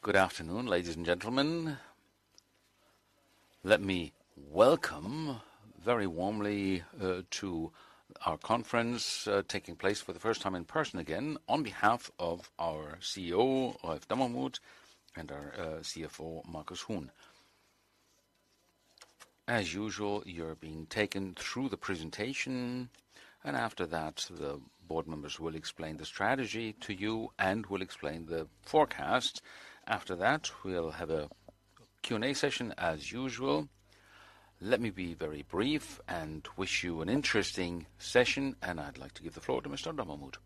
Good afternoon, ladies and gentlemen. Let me welcome very warmly, to our conference, taking place for the first time in person again, on behalf of our CEO, Ralph Dommermuth, and our CFO, Markus Huhn. As usual, you're being taken through the presentation. After that, the board members will explain the strategy to you and will explain the forecast. After that, we'll have a Q&A session as usual. Let me be very brief and wish you an interesting session. I'd like to give the floor to Mr. Dommermuth.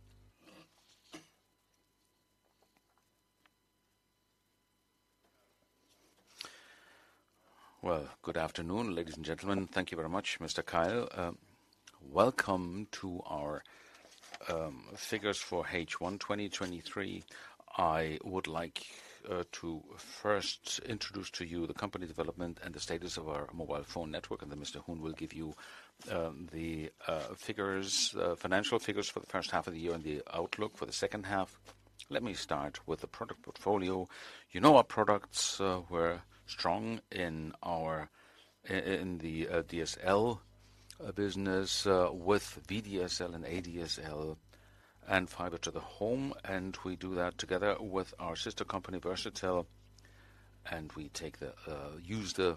Good afternoon, ladies and gentlemen. Thank you very much, Mr. Keil. Welcome to our figures for H1 2023. I would like to first introduce to you the company development and the status of our mobile phone network, and then Mr. Huhn will give you the figures, financial figures for the first half of the year and the outlook for the second half. Let me start with the product portfolio. You know, our products were strong in our, in the DSL business, with VDSL and ADSL and fiber to the home, and we do that together with our sister company, Versatel, and we take the use the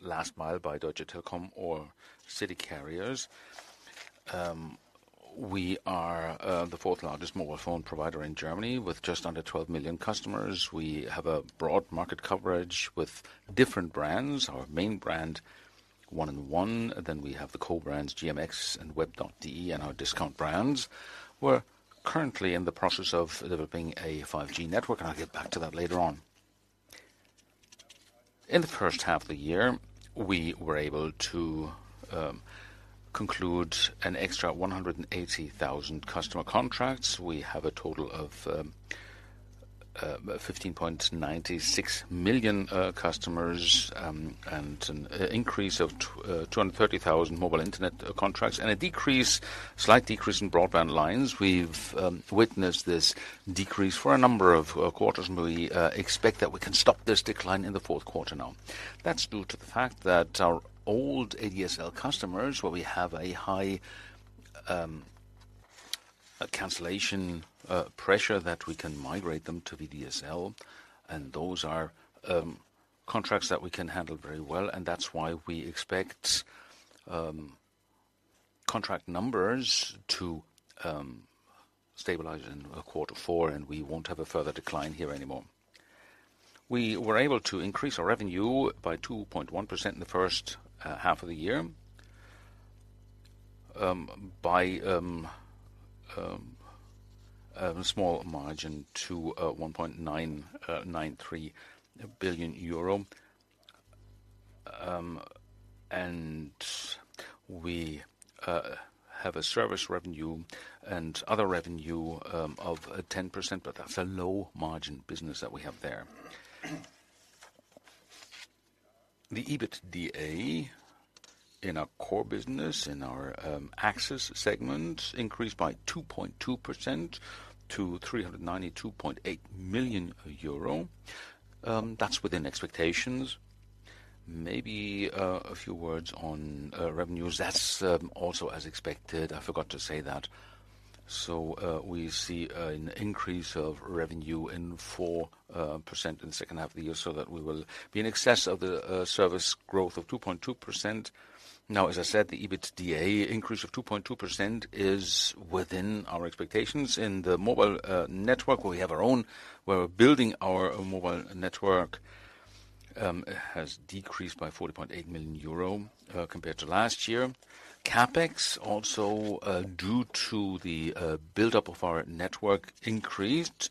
last mile by Deutsche Telekom or city carriers. We are the fourth largest mobile phone provider in Germany, with just under 12 million customers. We have a broad market coverage with different brands. Our main brand, 1&1, then we have the co-brands, GMX and WEB.DE, and our discount brands. We're currently in the process of developing a 5G network, and I'll get back to that later on. In the first half of the year, we were able to conclude an extra 180,000 customer contracts. We have a total of 15.96 million customers, and an increase of 230,000 mobile internet contracts, and a decrease, slight decrease in broadband lines. We've witnessed this decrease for a number of quarters, and we expect that we can stop this decline in the fourth quarter now. That's due to the fact that our old ADSL customers, where we have a high cancellation pressure, that we can migrate them to VDSL, and those are contracts that we can handle very well, and that's why we expect contract numbers to stabilize in quarter four, and we won't have a further decline here anymore. We were able to increase our revenue by 2.1% in the first half-year, by a small margin to 1.993 billion euro. We have a service revenue and other revenue of 10%, but that's a low margin business that we have there. The EBITDA in our core business, in our Access segment, increased by 2.2% to 392.8 million euro. That's within expectations. Maybe a few words on revenues. That's also as expected. I forgot to say that. We see an increase of revenue in 4% in the second half-year, so that we will be in excess of the service growth of 2.2%. As I said, the EBITDA increase of 2.2% is within our expectations. In the mobile network, where we're building our own mobile network, has decreased by 40.8 million euro compared to last year. CapEx, also, due to the buildup of our network, increased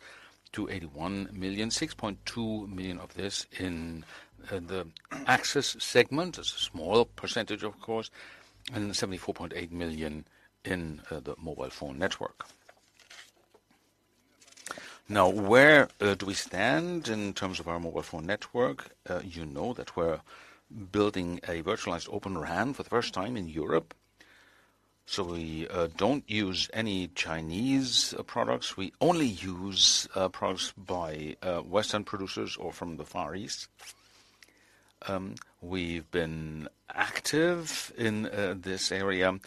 to 81 million, 6.2 million of this in the access segment. It's a small percentage, of course, and 74.8 million in the mobile phone network. Where do we stand in terms of our mobile phone network? You know that we're building a virtualized Open RAN for the first time in Europe, we don't use any Chinese products. We only use products by Western producers or from the Far East. We've been active in this area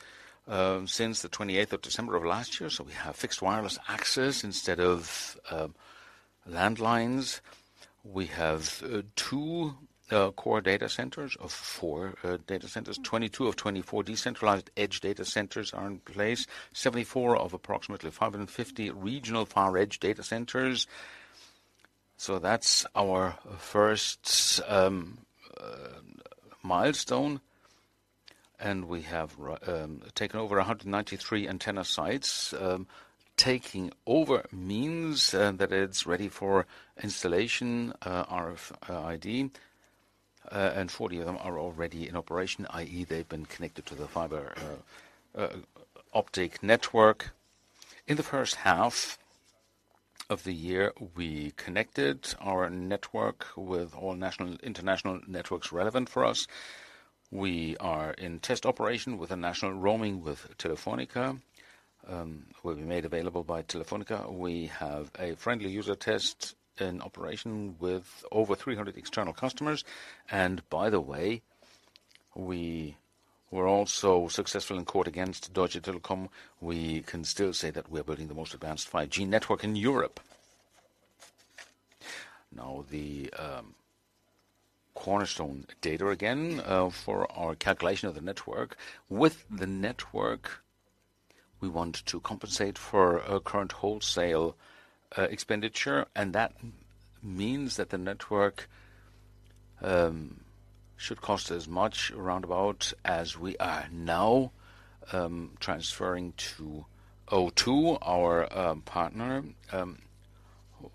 since the 28 December of last year. We have Fixed Wireless Access instead of landlines. We have two core data centers of four data centers. 22 of 24 decentralized edge data centers are in place. 74 of approximately 550 regional far edge data centers. That's our first milestone, and we have taken over 193 antenna sites. Taking over means that it's ready for installation, RFID, and 40 of them are already in operation, i.e., they've been connected to the fiber optic network. In the first half of the year, we connected our network with all national, international networks relevant for us. We are in test operation with a national roaming with Telefónica, will be made available by Telefónica. We have a friendly user test in operation with over 300 external customers. By the way, we were also successful in court against Deutsche Telekom. We can still say that we are building the most advanced 5G network in Europe. Now, the cornerstone data again, for our calculation of the network. With the network, we want to compensate for a current wholesale expenditure. That means that the network should cost as much roundabout as we are now transferring to O2, our partner,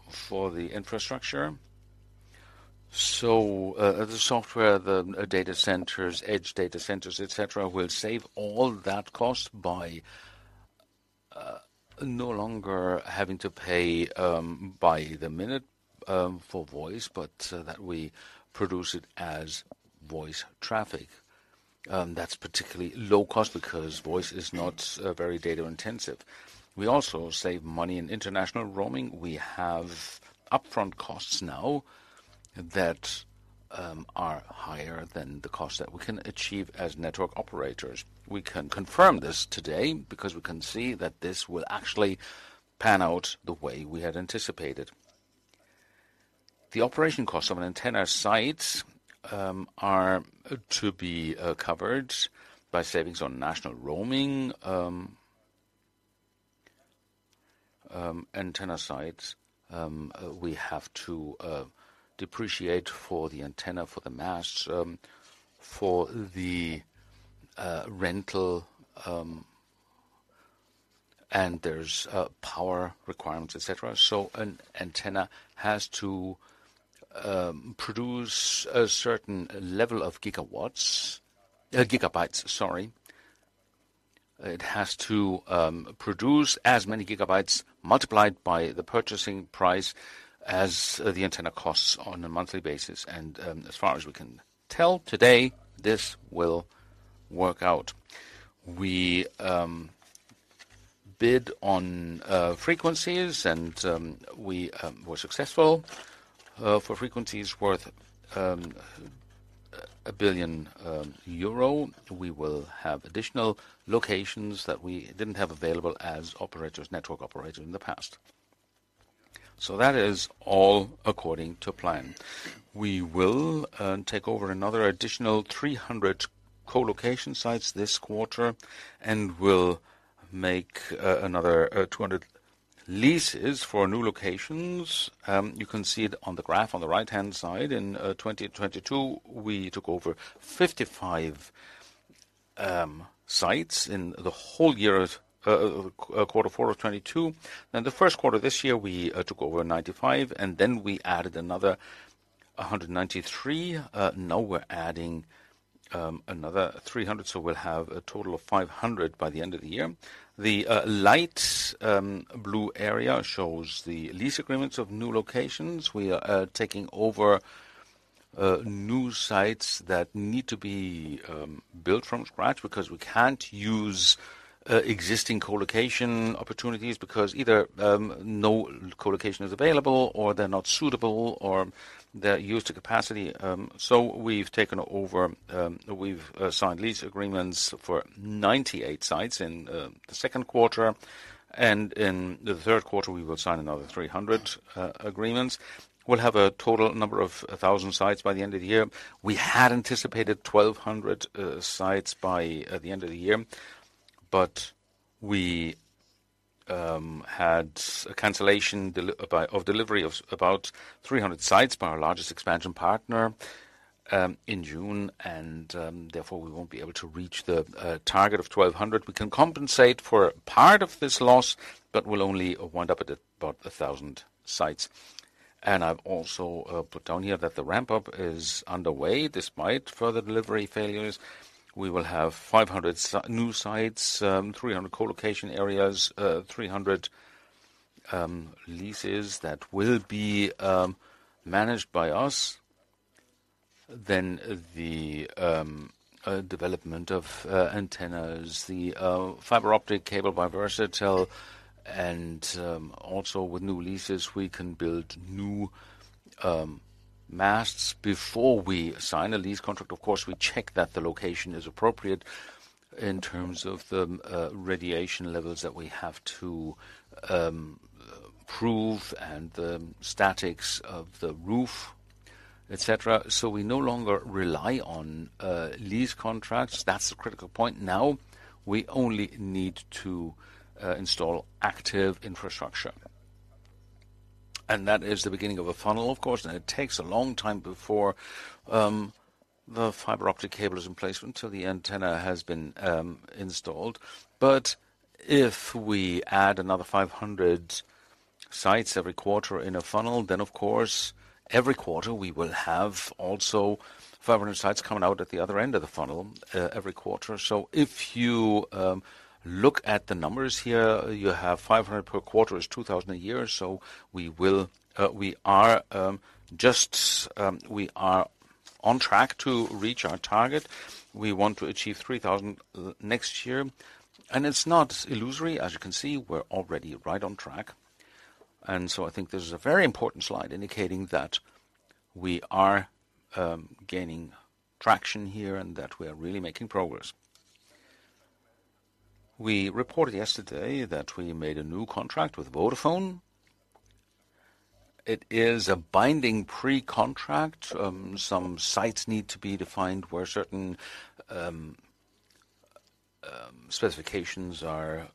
for the infrastructure. The software, the data centers, edge data centers, et cetera, will save all that cost by no longer having to pay by the minute for voice, but so that we produce it as voice traffic. That's particularly low cost because voice is not very data intensive. We also save money in international roaming. We have upfront costs now that are higher than the cost that we can achieve as network operators. We can confirm this today because we can see that this will actually pan out the way we had anticipated. The operation costs of an antenna site are to be covered by savings on national roaming. Antenna sites, we have to depreciate for the antenna, for the masts, for the rental, and there's power requirements, et cetera. An antenna has to produce a certain level of gigawatts, gigabytes, sorry. It has to produce as many gigabytes multiplied by the purchasing price as the antenna costs on a monthly basis, and as far as we can tell today, this will work out. We bid on frequencies, and we were successful for frequencies worth 1 billion euro. We will have additional locations that we didn't have available as operators, network operators in the past. That is all according to plan. We will take over another additional 300 co-location sites this quarter and will make another 200 leases for new locations. You can see it on the graph on the right-hand side. In 2022, we took over 55 sites in the whole year, Q4 2022. The first quarter this year, we took over 95, and then we added another 193. Now we're adding another 300, so we'll have a total of 500 by the end of the year. The light blue area shows the lease agreements of new locations. We are taking over new sites that need to be built from scratch because we can't use existing colocation opportunities because either no colocation is available, or they're not suitable, or they're used to capacity. We've taken over, we've assigned lease agreements for 98 sites in the second quarter, and in the third quarter, we will sign another 300 agreements. We'll have a total number of 1,000 sites by the end of the year. We had anticipated 1,200 sites by the end of the year, but we had a cancellation of delivery of about 300 sites by our largest expansion partner in June, and therefore, we won't be able to reach the target of 1,200. We can compensate for part of this loss, but we'll only wind up at about 1,000 sites. I've also put down here that the ramp-up is underway. Despite further delivery failures, we will have 500 new sites, 300 colocation areas, 300 leases that will be managed by us. The development of antennas, the fiber optic cable by Versatel, and also with new leases, we can build new masts. Before we sign a lease contract, of course, we check that the location is appropriate in terms of the radiation levels that we have to prove and the statics of the roof, et cetera. We no longer rely on lease contracts. That's the critical point. Now, we only need to install active infrastructure. That is the beginning of a funnel, of course, and it takes a long time before the fiber optic cable is in place until the antenna has been installed. If we add another 500 sites every quarter in a funnel, then of course, every quarter we will have also 500 sites coming out at the other end of the funnel every quarter. If you look at the numbers here, you have 500 per quarter is 2,000 a year, so we will, we are just on track to reach our target. We want to achieve 3,000 next year, and it's not illusory. As you can see, we're already right on track. I think this is a very important slide, indicating that we are gaining traction here and that we are really making progress. We reported yesterday that we made a new contract with Vodafone. It is a binding pre-contract. Some sites need to be defined where certain specifications are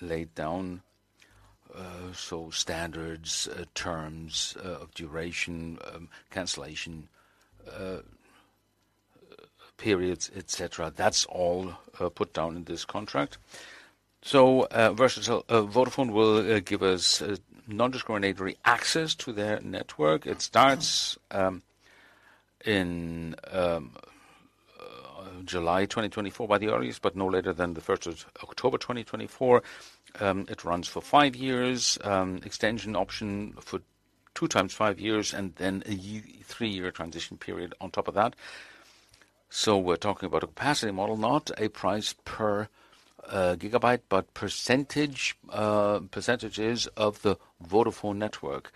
laid down. Standards, terms of duration, cancellation periods, et cetera. That's all put down in this contract. Versus Vodafone will give us non-discriminatory access to their network. It starts in July 2024 by the earliest, but no later than 1 October 2024. It runs for five years, extension option for two times five years, and then a three year transition period on top of that. We're talking about a capacity model, not a price per gigabyte, but percentage, percentages of the Vodafone network.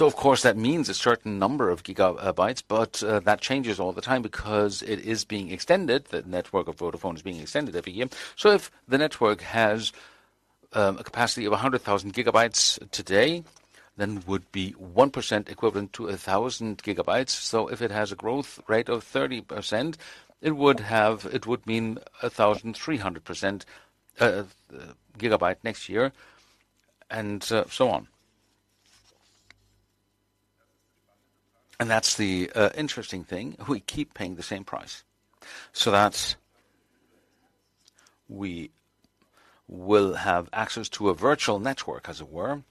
Of course, that means a certain number of gigabytes, but that changes all the time because it is being extended. The network of Vodafone is being extended every year. If the network has a capacity of 100,000 gigabytes today, then would be 1% equivalent to 1,000 gigabytes. If it has a growth rate of 30%, it would mean 1,300% gigabyte next year, and so on. That's the interesting thing. We keep paying the same price. We will have access to a virtual network, as it were,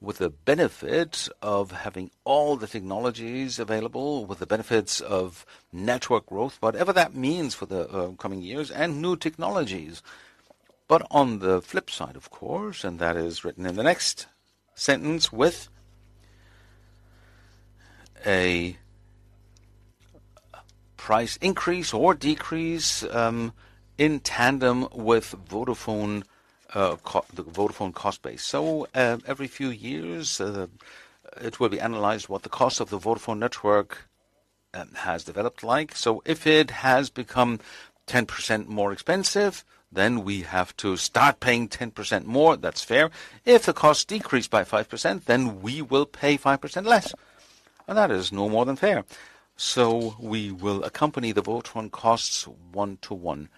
with the benefit of having all the technologies available, with the benefits of network growth, whatever that means for the coming years, and new technologies. On the flip side, of course, and that is written in the next sentence, with a price increase or decrease, in tandem with Vodafone, the Vodafone cost base. Every few years, it will be analyzed what the cost of the Vodafone network has developed like. If it has become 10% more expensive, then we have to start paying 10% more. That's fair. If the costs decrease by 5%, then we will pay 5% less, and that is no more than fair. We will accompany the Vodafone costs one to one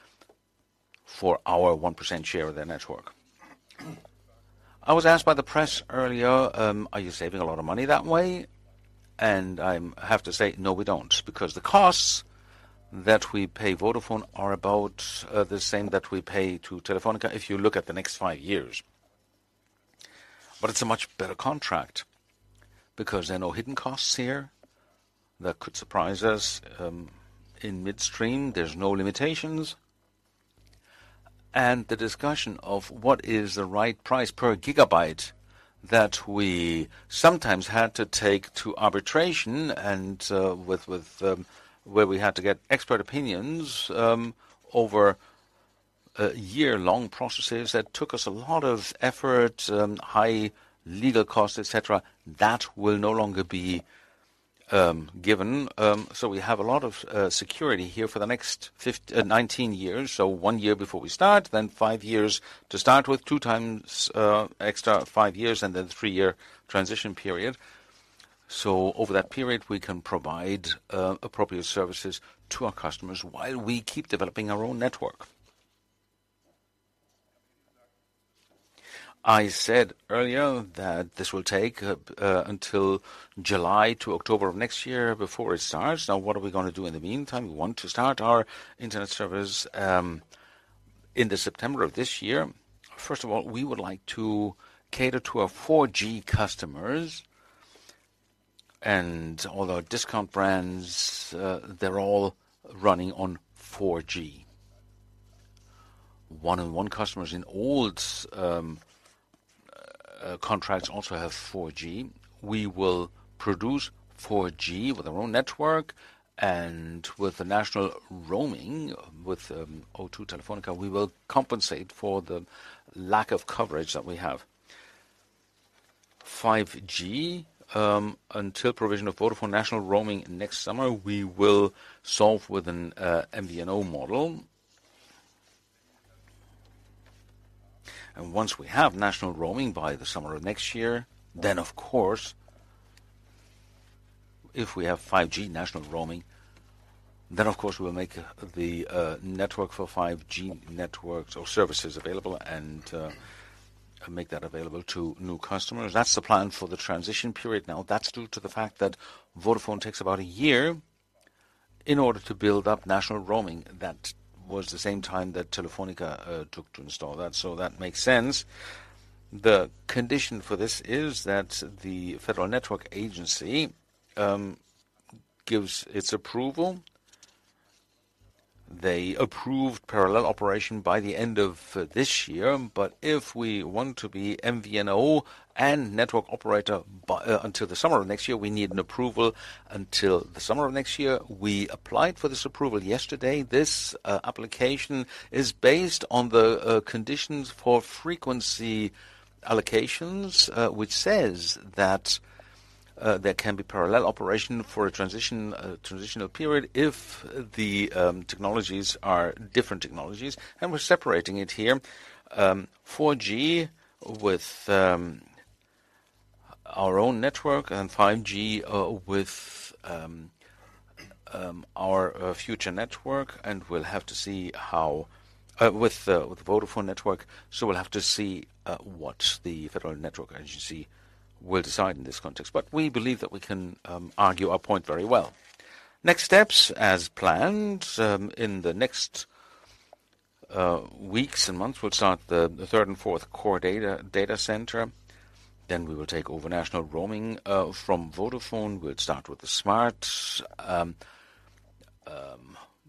for our 1% share of their network. I was asked by the press earlier, "Are you saving a lot of money that way?" I'm, have to say, "No, we don't." Because the costs that we pay Vodafone are about the same that we pay to Telefónica if you look at the next five years. It's a much better contract because there are no hidden costs here that could surprise us in midstream. There's no limitations, the discussion of what is the right price per gigabyte that we sometimes had to take to arbitration with, where we had to get expert opinions over year-long processes that took us a lot of effort, high legal costs, et cetera, that will no longer be given. We have a lot of security here for the next 19 years. one year before we start, then five years to start with, two times extra five years, and then three-year transition period. Over that period, we can provide appropriate services to our customers while we keep developing our own network. I said earlier that this will take until July to October of next year before it starts. What are we gonna do in the meantime? We want to start our internet service in the September of this year. First of all, we would like to cater to our 4G customers, and all our discount brands, they're all running on 4G. 1&1 customers in all contracts also have 4G. We will produce 4G with our own network and with the national roaming, with O2 Telefónica, we will compensate for the lack of coverage that we have. 5G, until provision of Vodafone national roaming next summer, we will solve with an MVNO model. Once we have national roaming by the summer of next year, then, of course, if we have 5G national roaming, then, of course, we'll make the network for 5G networks or services available and make that available to new customers. That's the plan for the transition period. That's due to the fact that Vodafone takes about 1 year in order to build up national roaming. That was the same time that Telefónica took to install that, so that makes sense. The condition for this is that the Federal Network Agency gives its approval. They approved parallel operation by the end of 2023. If we want to be MVNO and network operator by until the summer of 2024, we need an approval until the summer of 2024. We applied for this approval yesterday. This application is based on the conditions for frequency allocations, which says that there can be parallel operation for a transition transitional period if the technologies are different technologies. We're separating it here, 4G with our own network and 5G with our future network, and we'll have to see how with the Vodafone network. We'll have to see what the Federal Network Agency will decide in this context. We believe that we can argue our point very well. Next steps, as planned, in the next weeks and months, we'll start the third and fourth core data center. We will take over national roaming from Vodafone. We'll start with the smart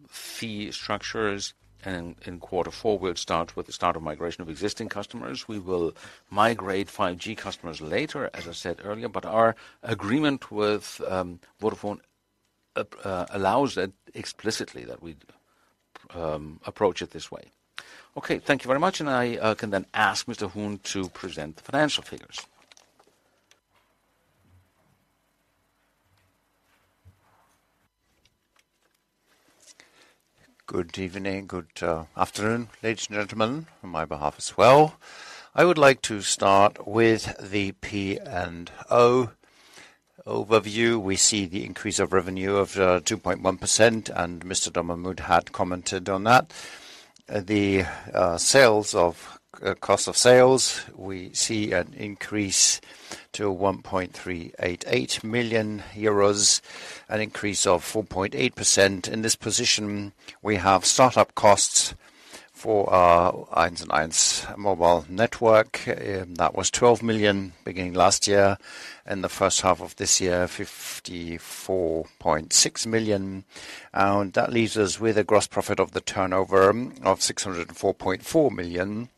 fee structures, and in Q4, we'll start with the start of migration of existing customers. We will migrate 5G customers later, as I said earlier, our agreement with Vodafone allows that explicitly, that we'd approach it this way. Okay, thank you very much, and I can then ask Mr. Huhn to present the financial figures. Good evening. Good afternoon, ladies and gentlemen, on my behalf as well. I would like to start with the P&L overview. We see the increase of revenue of 2.1%, and Mr. Dommermuth had commented on that. The sales of cost of sales, we see an increase to 1.388 million euros, an increase of 4.8%. In this position, we have start-up costs for our 1&1 mobile network. That was 12 million beginning last year, and the first half of this year, 54.6 million. That leaves us with a gross profit of the turnover of 604.4 million,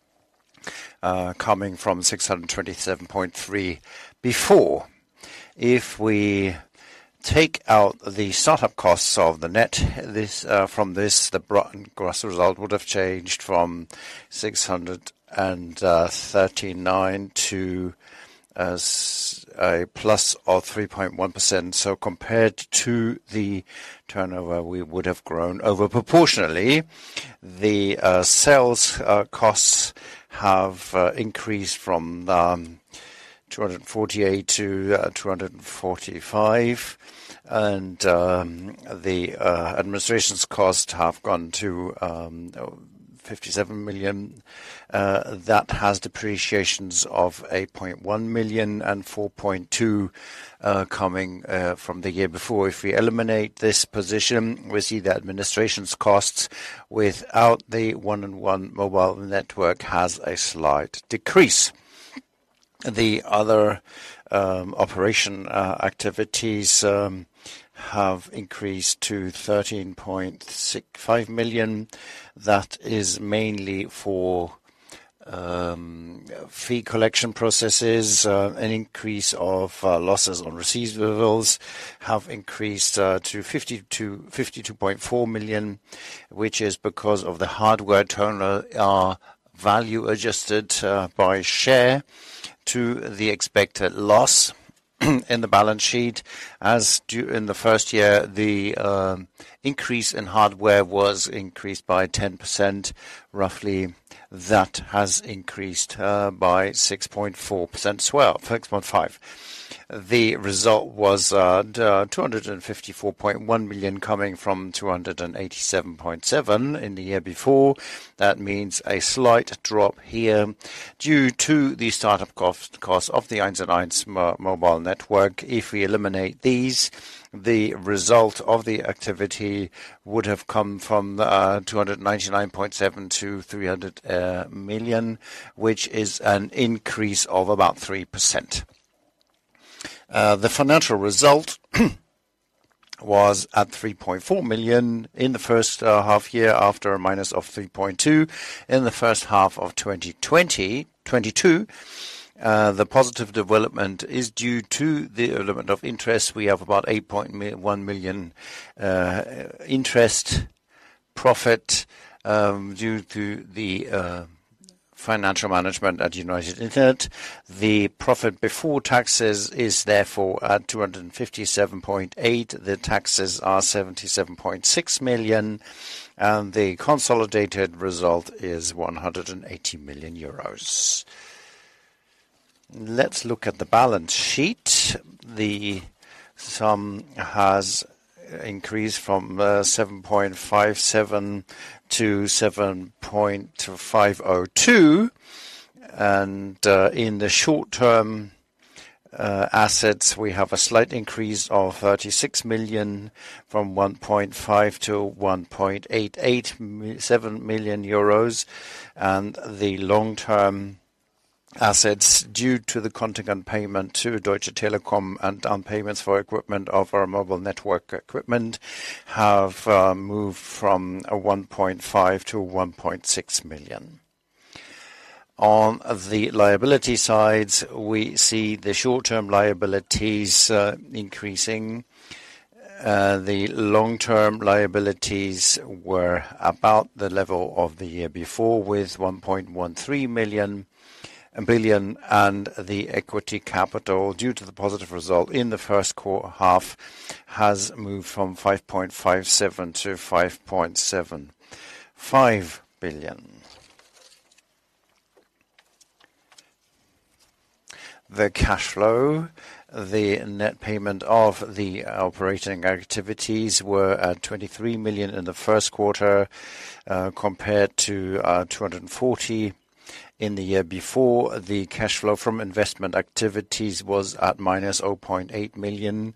coming from 627.3 before. If we take out the start-up costs of the net, this, from this, the gross result would have changed from 639 to, as, a plus of 3.1%. Compared to the turnover, we would have grown over proportionally. The sales costs have increased from 248 to 245, and the administration's cost have gone to 57 million. That has depreciations of 8.1 million and 4.2, coming from the year before. If we eliminate this position, we see that administration's costs without the 1&1 mobile network has a slight decrease. The other operating activities have increased to 13.65 million. That is mainly for fee collection processes. An increase of losses on receivables have increased to 50 million-52.4 million, which is because of the hardware turnover, value adjusted by share to the expected loss in the balance sheet. As in the first year, the increase in hardware was increased by 10%, roughly. That has increased by 6.4% as well, 6.5%. The result was 254.1 million, coming from 287.7 million in the year before. That means a slight drop here due to the start-up cost, costs of the 1&1 mobile network. If we eliminate these, the result of the activity would have come from 299.7 million to 300 million, which is an increase of about 3%. The financial result was at 3.4 million in the first half-year, after a minus of 3.2 in the first half of 2022. The positive development is due to the element of interest. We have about 8.1 million interest profit due to the financial management at United Internet. The profit before taxes is therefore at 257.8 million. The taxes are 77.6 million. The consolidated result is 180 million euros. Let's look at the balance sheet. The sum has increased from 7.57 billion to 7.502 billion. In the short-term assets, we have a slight increase of 36 million, from 1.5 million to 1.887 million euros. The long-term assets due to the contingent payment to Deutsche Telekom and down payments for equipment of our mobile network equipment have moved from a 1.5 million-1.6 million. On the liability sides, we see the short-term liabilities increasing. The long-term liabilities were about the level of the year before, with 1.13 billion, and the equity capital, due to the positive result in the first quarter half, has moved from 5.57 billion-5.75 billion. The cash flow, the net payment of the operating activities were at 23 million in the first quarter, compared to 240 million in the year before. The cash flow from investment activities was at -0.8 million,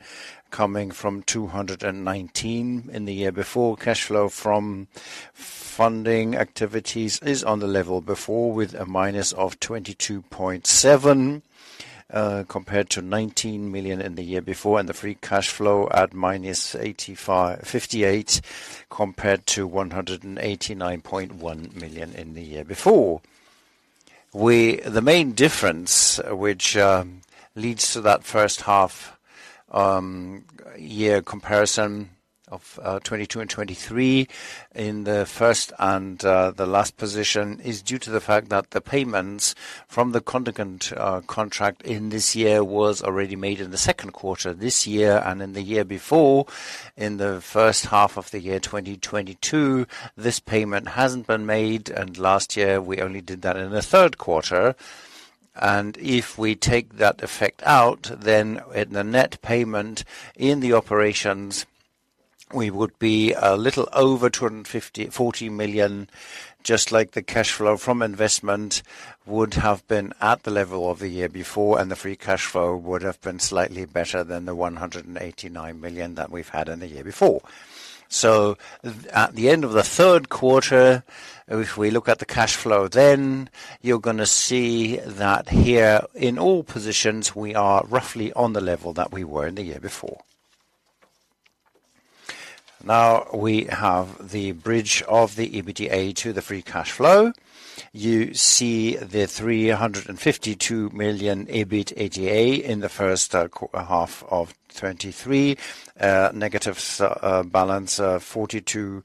coming from 219 million in the year before. Cash flow from funding activities is on the level before, with a minus of 22.7 compared to 19 million in the year before, and the free cash flow at minus 58 compared to 189.1 million in the year before. The main difference, which leads to that first half year comparison of 2022 and 2023 in the first and the last position, is due to the fact that the payments from the contingent contract in this year was already made in Q2 this year, and in the year before, in H1 2022, this payment hasn't been made, and last year we only did that in Q3. If we take that effect out, then in the net payment, in the operations, we would be a little over 240 million, just like the cash flow from investment would have been at the level of the year before, and the free cash flow would have been slightly better than the 189 million that we've had in the year before. At the end of the third quarter, if we look at the cash flow, then you're gonna see that here, in all positions, we are roughly on the level that we were in the year before. We have the bridge of the EBITDA to the free cash flow. You see the 352 million EBITDA in the first half of 2023, negative balance of 42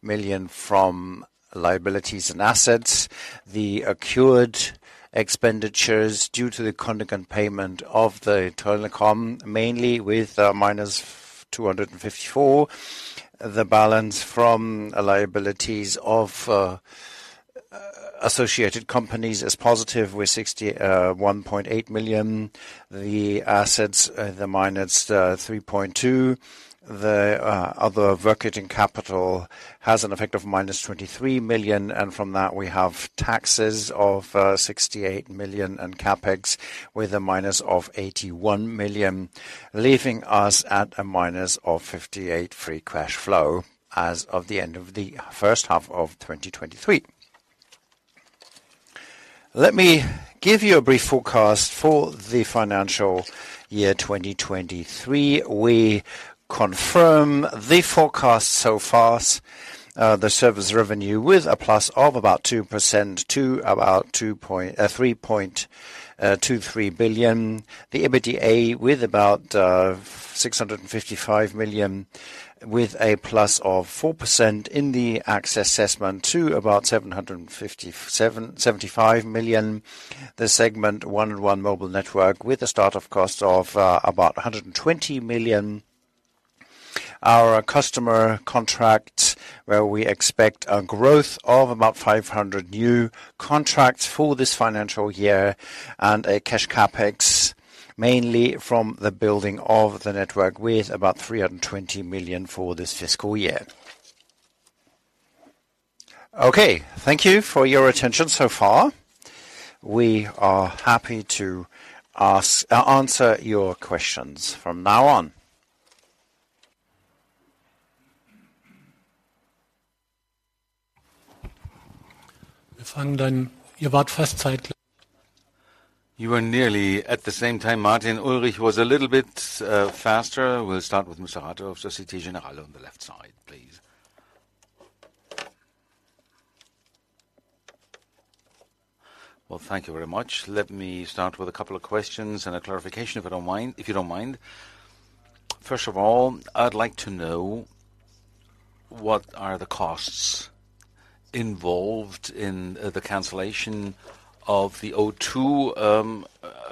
million from liabilities and assets. The accrued expenditures due to the contingent payment of the Telekom, mainly with -254. The balance from liabilities of associated companies is positive, with 61.8 million. The assets, they minus -3.2. The other working capital has an effect of -23 million, and from that, we have taxes of 68 million and CapEx with -81 million, leaving us at -58 free cash flow as of the end of the first half of 2023. Let me give you a brief forecast for the financial year 2023. We confirm the forecast so far, the service revenue with a plus of about 2% to about 3.23 billion. The EBITDA with about 655 million, with a plus of 4% in the Access segment to about 775 million. The segment 1&1 mobile network with a start of cost of about 120 million. Our customer contracts, where we expect a growth of about 500 new contracts for this financial year, and a cash CapEx, mainly from the building of the network, with about 320 million for this fiscal year. Thank you for your attention so far. We are happy to answer your questions from now on. You were nearly at the same time, Martin. Ulrich was a little bit faster. We'll start with Mussarato of Societe Generale on the left side, please. Well, thank you very much. Let me start with a couple of questions and a clarification, if you don't mind. First of all, I'd like to know, what are the costs involved in the cancellation of the O2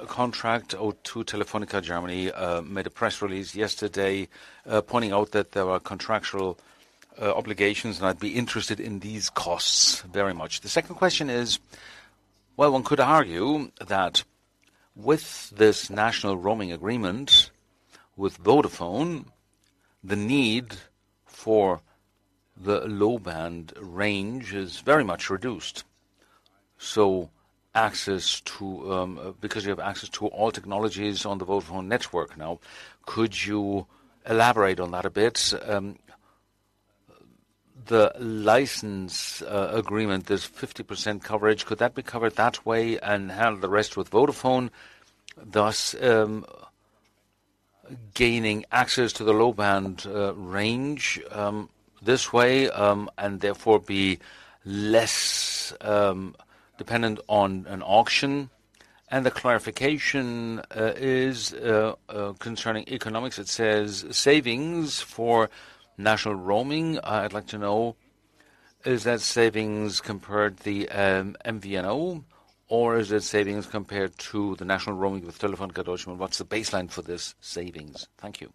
contract? O2 Telefónica Germany made a press release yesterday pointing out that there are contractual obligations, and I'd be interested in these costs very much. The second question is: well, one could argue that with this national roaming agreement with Vodafone, the need for the low-band range is very much reduced. Access to, because you have access to all technologies on the Vodafone network now, could you elaborate on that a bit? The license agreement, there's 50% coverage. Could that be covered that way and handle the rest with Vodafone, thus, gaining access to the low band range this way, and therefore be less dependent on an auction? The clarification is concerning economics. It says, savings for national roaming. I'd like to know, is that savings compared the MVNO, or is it savings compared to the national roaming with Telefónica Deutschland? What's the baseline for this savings? Thank you.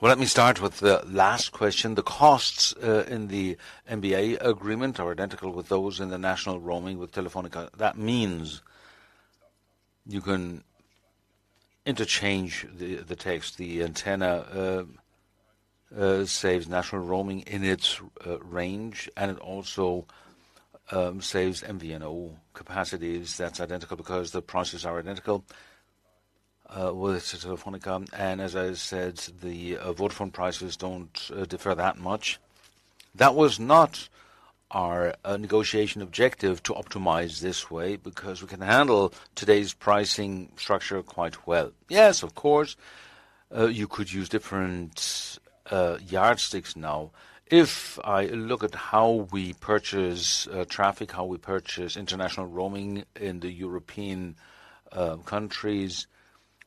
Well, let me start with the last question. The costs in the MVA agreement are identical with those in the national roaming with Telefónica. That means you can interchange the text. The antenna saves national roaming in its range, and it also saves MVNO capacities. That's identical because the prices are identical with Telefónica. As I said, the Vodafone prices don't differ that much. That was not our negotiation objective to optimize this way, because we can handle today's pricing structure quite well. Yes, of course, you could use different yardsticks now. If I look at how we purchase traffic, how we purchase international roaming in the European countries,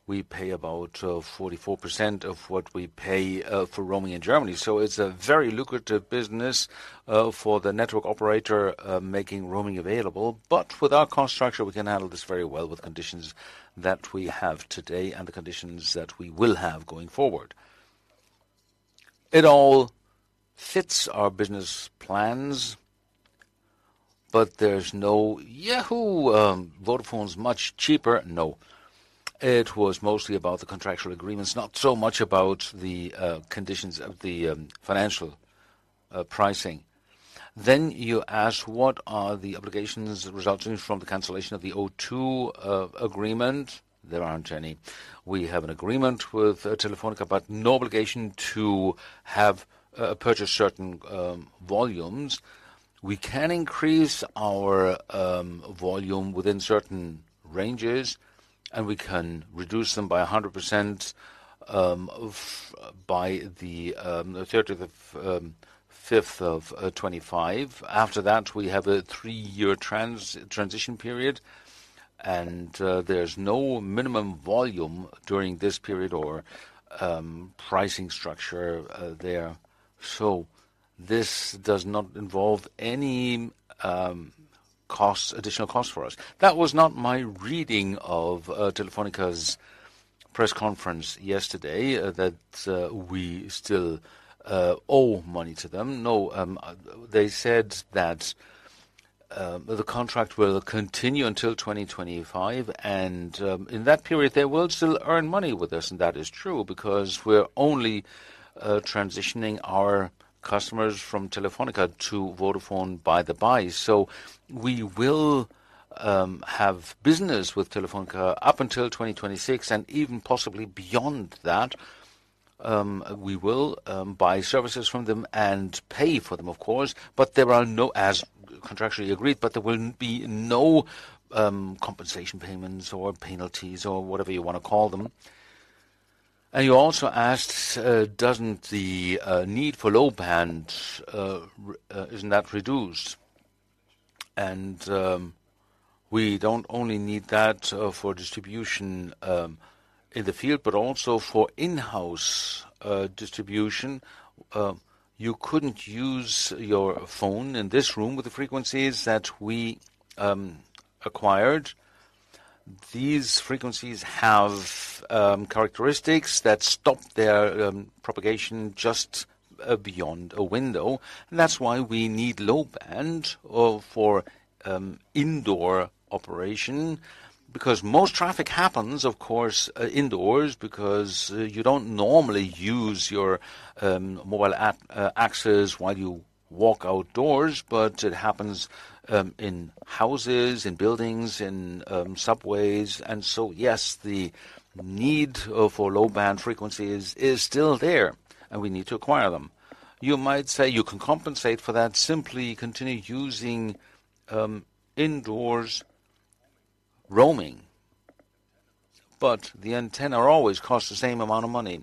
we pay about 44% of what we pay for roaming in Germany. It's a very lucrative business for the network operator making roaming available. With our cost structure, we can handle this very well with conditions that we have today and the conditions that we will have going forward. It all fits our business plans, but there's no, "Yahoo! Vodafone's much cheaper." It was mostly about the contractual agreements, not so much about the conditions of the financial pricing. You asked, what are the obligations resulting from the cancellation of the O2 agreement? There aren't any. We have an agreement with Telefónica, but no obligation to purchase certain volumes. We can increase our volume within certain ranges, and we can reduce them by 100% by the 35th of 2025. After that, we have a three year transition period, and there's no minimum volume during this period or pricing structure there. This does not involve any costs, additional costs for us. That was not my reading of Telefónica's press conference yesterday, that we still owe money to them. No, they said that the contract will continue until 2025, in that period, they will still earn money with us, that is true because we're only transitioning our customers from Telefónica to Vodafone by the bye. We will have business with Telefónica up until 2026 and even possibly beyond that. We will buy services from them and pay for them, of course, as contractually agreed, but there will be no compensation payments or penalties or whatever you want to call them. You also asked, "Doesn't the need for low band isn't that reduced?" We don't only need that for distribution in the field, but also for in-house distribution. You couldn't use your phone in this room with the frequencies that we acquired. These frequencies have characteristics that stop their propagation just beyond a window. That's why we need low band for indoor operation, because most traffic happens, of course, indoors, because you don't normally use your mobile access while you walk outdoors, but it happens in houses, in buildings, in subways. So, yes, the need for low-band frequencies is still there, and we need to acquire them. You might say you can compensate for that, simply continue using indoors roaming, but the antenna always costs the same amount of money.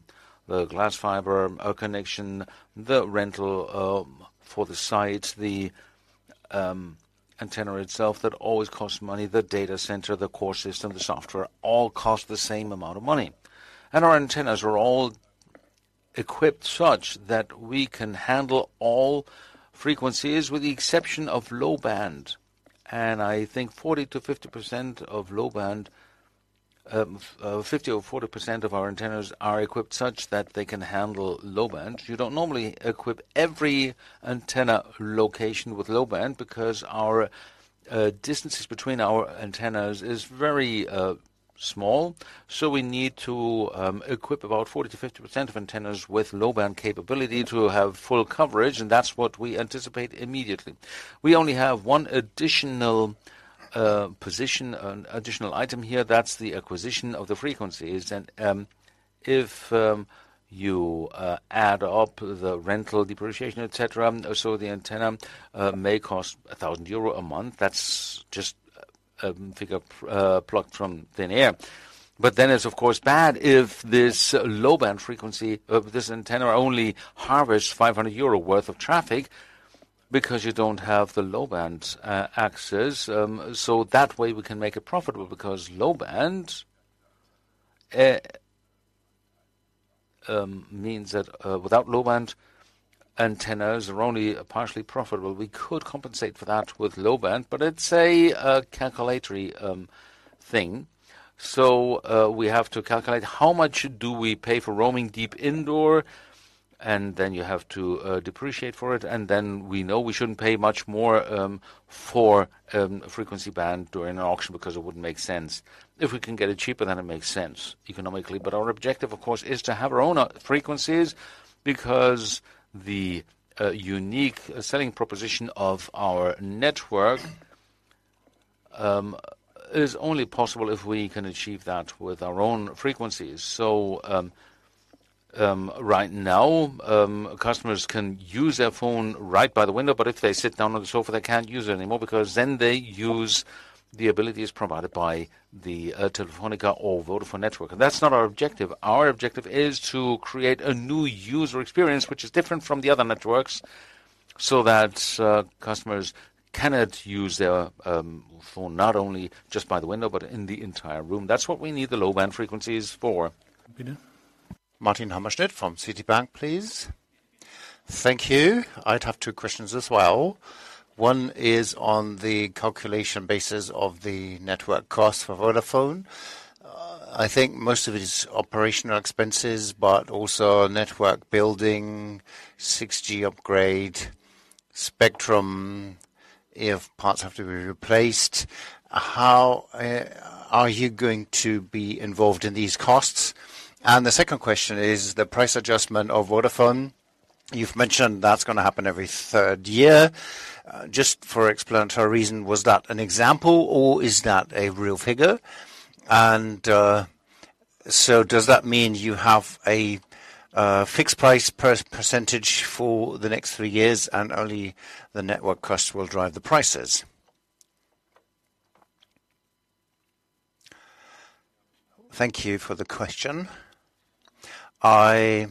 The fiber-optic cable connection, the rental for the antenna sites, the antenna itself, that always costs euros, the data center, the core system, the software, all cost the same amount of euros. Our antennas are all equipped such that we can handle all frequencies, with the exception of low band. I think 40%-50% of low band, 50% or 40% of our antennas are equipped such that they can handle low band. You don't normally equip every antenna site with low band because our distances between our antennas is very small. We need to equip about 40%-50% of antennas with low-band capability to have full coverage, and that's what we anticipate immediately. We only have one additional position, an additional item here, that's the acquisition of the frequencies. If, you, add up the rental depreciation, et cetera, so the antenna, may cost 1,000 euro a month. That's just a, figure, plucked from thin air. Then it's of course, bad if this low-band frequency of this antenna only harvests 500 euro worth of traffic because you don't have the low-band, access. That way we can make it profitable, because low-band, means that, without low-band antennas are only partially profitable. We could compensate for that with low-band, but it's a, calculatory, thing. We have to calculate how much do we pay for roaming deep indoor, then you have to, depreciate for it. Then we know we shouldn't pay much more, for, frequency band during an auction because it wouldn't make sense. If we can get it cheaper, then it makes sense economically. Our objective, of course, is to have our own frequencies, because the unique selling proposition of our network is only possible if we can achieve that with our own frequencies. Right now, customers can use their phone right by the window, but if they sit down on the sofa, they can't use it anymore because then they use the abilities provided by the Telefónica or Vodafone network. That's not our objective. Our objective is to create a new user experience which is different from the other networks, so that customers can now use their phone, not only just by the window, but in the entire room. That's what we need the low-band frequencies for. Martin Hammerschmidt from Citibank, please. Thank you. I'd have two questions as well. One is on the calculation basis of the network cost for Vodafone. I think most of it is operational expenses, but also network building, 6G upgrade, spectrum, if parts have to be replaced, how are you going to be involved in these costs? The second question is the price adjustment of Vodafone. You've mentioned that's gonna happen every third year. Just for explanatory reason, was that an example or is that a real figure? Does that mean you have a fixed price per percentage for the next three years and only the network cost will drive the prices? Thank you for the question. I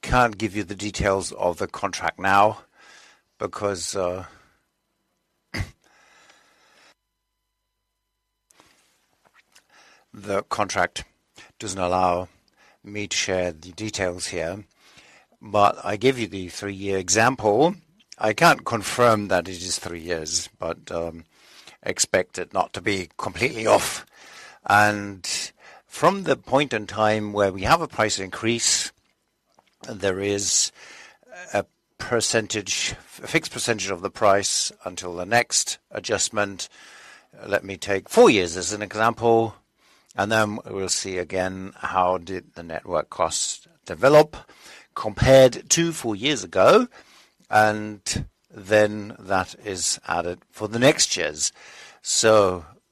can't give you the details of the contract now, because the contract does not allow me to share the details here. I gave you the three-year example. I can't confirm that it is three years, expect it not to be completely off. From the point in time where we have a price increase, there is a %, a fixed % of the price until the next adjustment. Let me take four years as an example, then we'll see again, how did the network costs develop compared to four years ago, then that is added for the next years.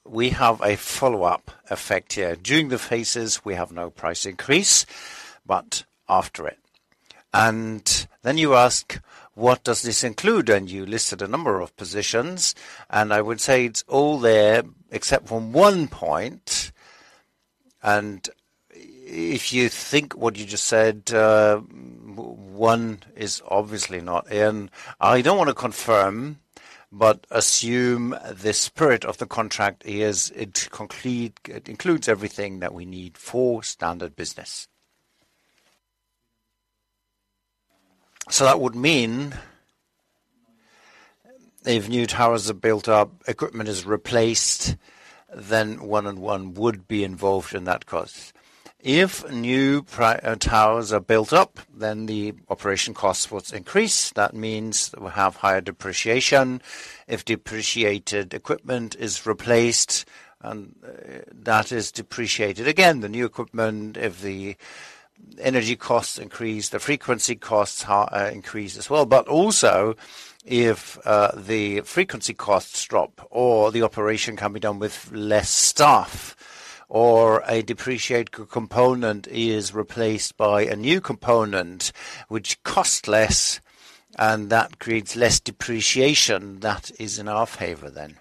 We have a follow-up effect here. During the phases, we have no price increase, after it. Then you ask, what does this include? You listed a number of positions, and I would say it's all there, except from 1 point. If you think what you just said, one is obviously not in. I don't want to confirm, but assume the spirit of the contract is, it includes everything that we need for standard business. That would mean, if new towers are built up, equipment is replaced, then 1&1 would be involved in that cost. If new pri, towers are built up, then the operation costs would increase. That means we'll have higher depreciation. If depreciated equipment is replaced, and that is depreciated again, the new equipment, if the energy costs increase, the frequency costs are increased as well. Also, if, the frequency costs drop, or the operation can be done with less staff, or a depreciated component is replaced by a new component which costs less and that creates less depreciation, that is in our favor then.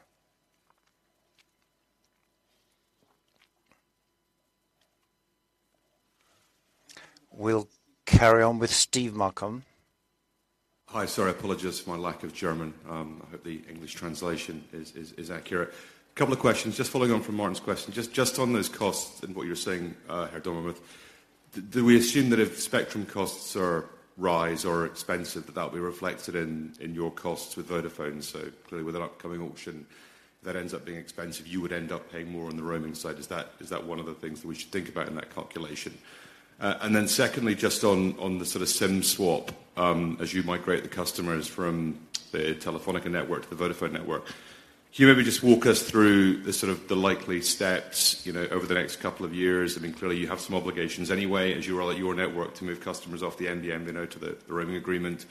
We'll carry on with Steve Malcom. Hi, sorry, apologies for my lack of German. I hope the English translation is, is, is accurate. A couple of questions, just following on from Martin's question. Just, just on those costs and what you're saying, Mr. Dommermuth. Do, do we assume that if spectrum costs are rise or expensive, that that will be reflected in, in your costs with Vodafone? So clearly, with an upcoming auction that ends up being expensive, you would end up paying more on the roaming side. Is that, is that one of the things that we should think about in that calculation? Secondly, just on, on the sort of SIM swap, as you migrate the customers from the Telefónica network to the Vodafone network. Can you maybe just walk us through the sort of the likely steps, you know, over the next couple of years? I mean, clearly, you have some obligations anyway as you roll out your network to move customers off the NBN, you know, to the, the roaming agreement.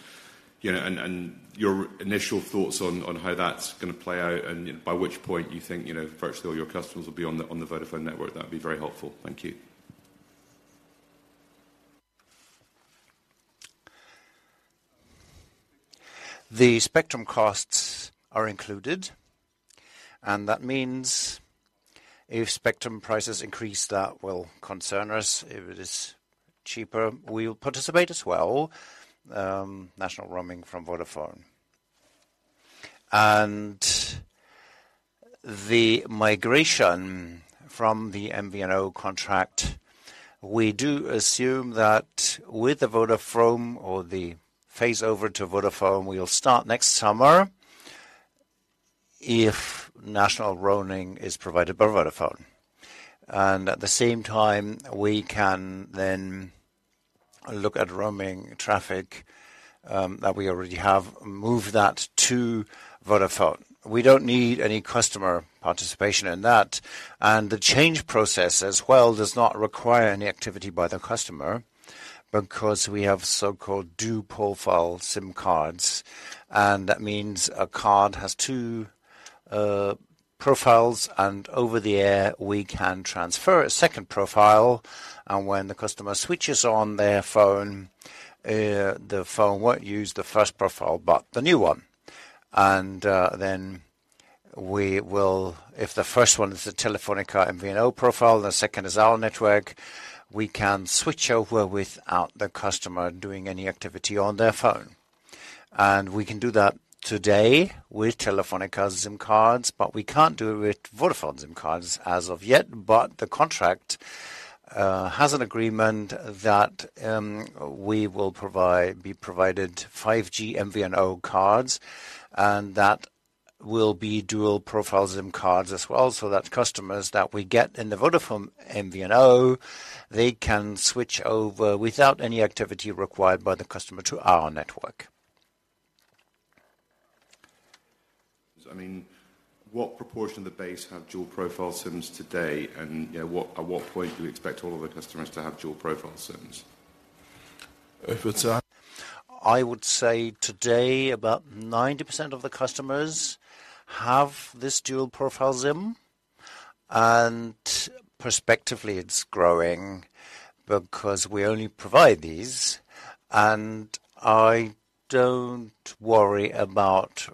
You know, and your initial thoughts on, on how that's gonna play out, and by which point you think, you know, virtually all your customers will be on the, on the Vodafone network. That'd be very helpful. Thank you. The spectrum costs are included, and that means if spectrum prices increase, that will concern us. If it is cheaper, we will participate as well, national roaming from Vodafone. The migration from the MVNO contract, we do assume that with the Vodafone or the phase over to Vodafone, we will start next summer if national roaming is provided by Vodafone. At the same time, we can then look at roaming traffic, that we already have, move that to Vodafone. We don't need any customer participation in that, and the change process as well does not require any activity by the customer, because we have so-called dual profile SIM cards, and that means a card has two profiles, and over the air, we can transfer a second profile. When the customer switches on their phone, the phone won't use the first profile, but the new one. Then If the first one is a Telefónica MVNO profile, the second is our network, we can switch over without the customer doing any activity on their phone. We can do that today with Telefónica SIM cards, but we can't do it with Vodafone SIM cards as of yet. The contract has an agreement that we will provide, be provided 5G MVNO cards, and that will be dual profile SIM cards as well. That customers that we get in the Vodafone MVNO, they can switch over without any activity required by the customer to our network. I mean, what proportion of the base have dual profile SIMs today? You know, at what point do you expect all of the customers to have dual profile SIMs? I would say today, about 90% of the customers have this dual profile SIM, and perspectively, it's growing because we only provide these, and I don't worry about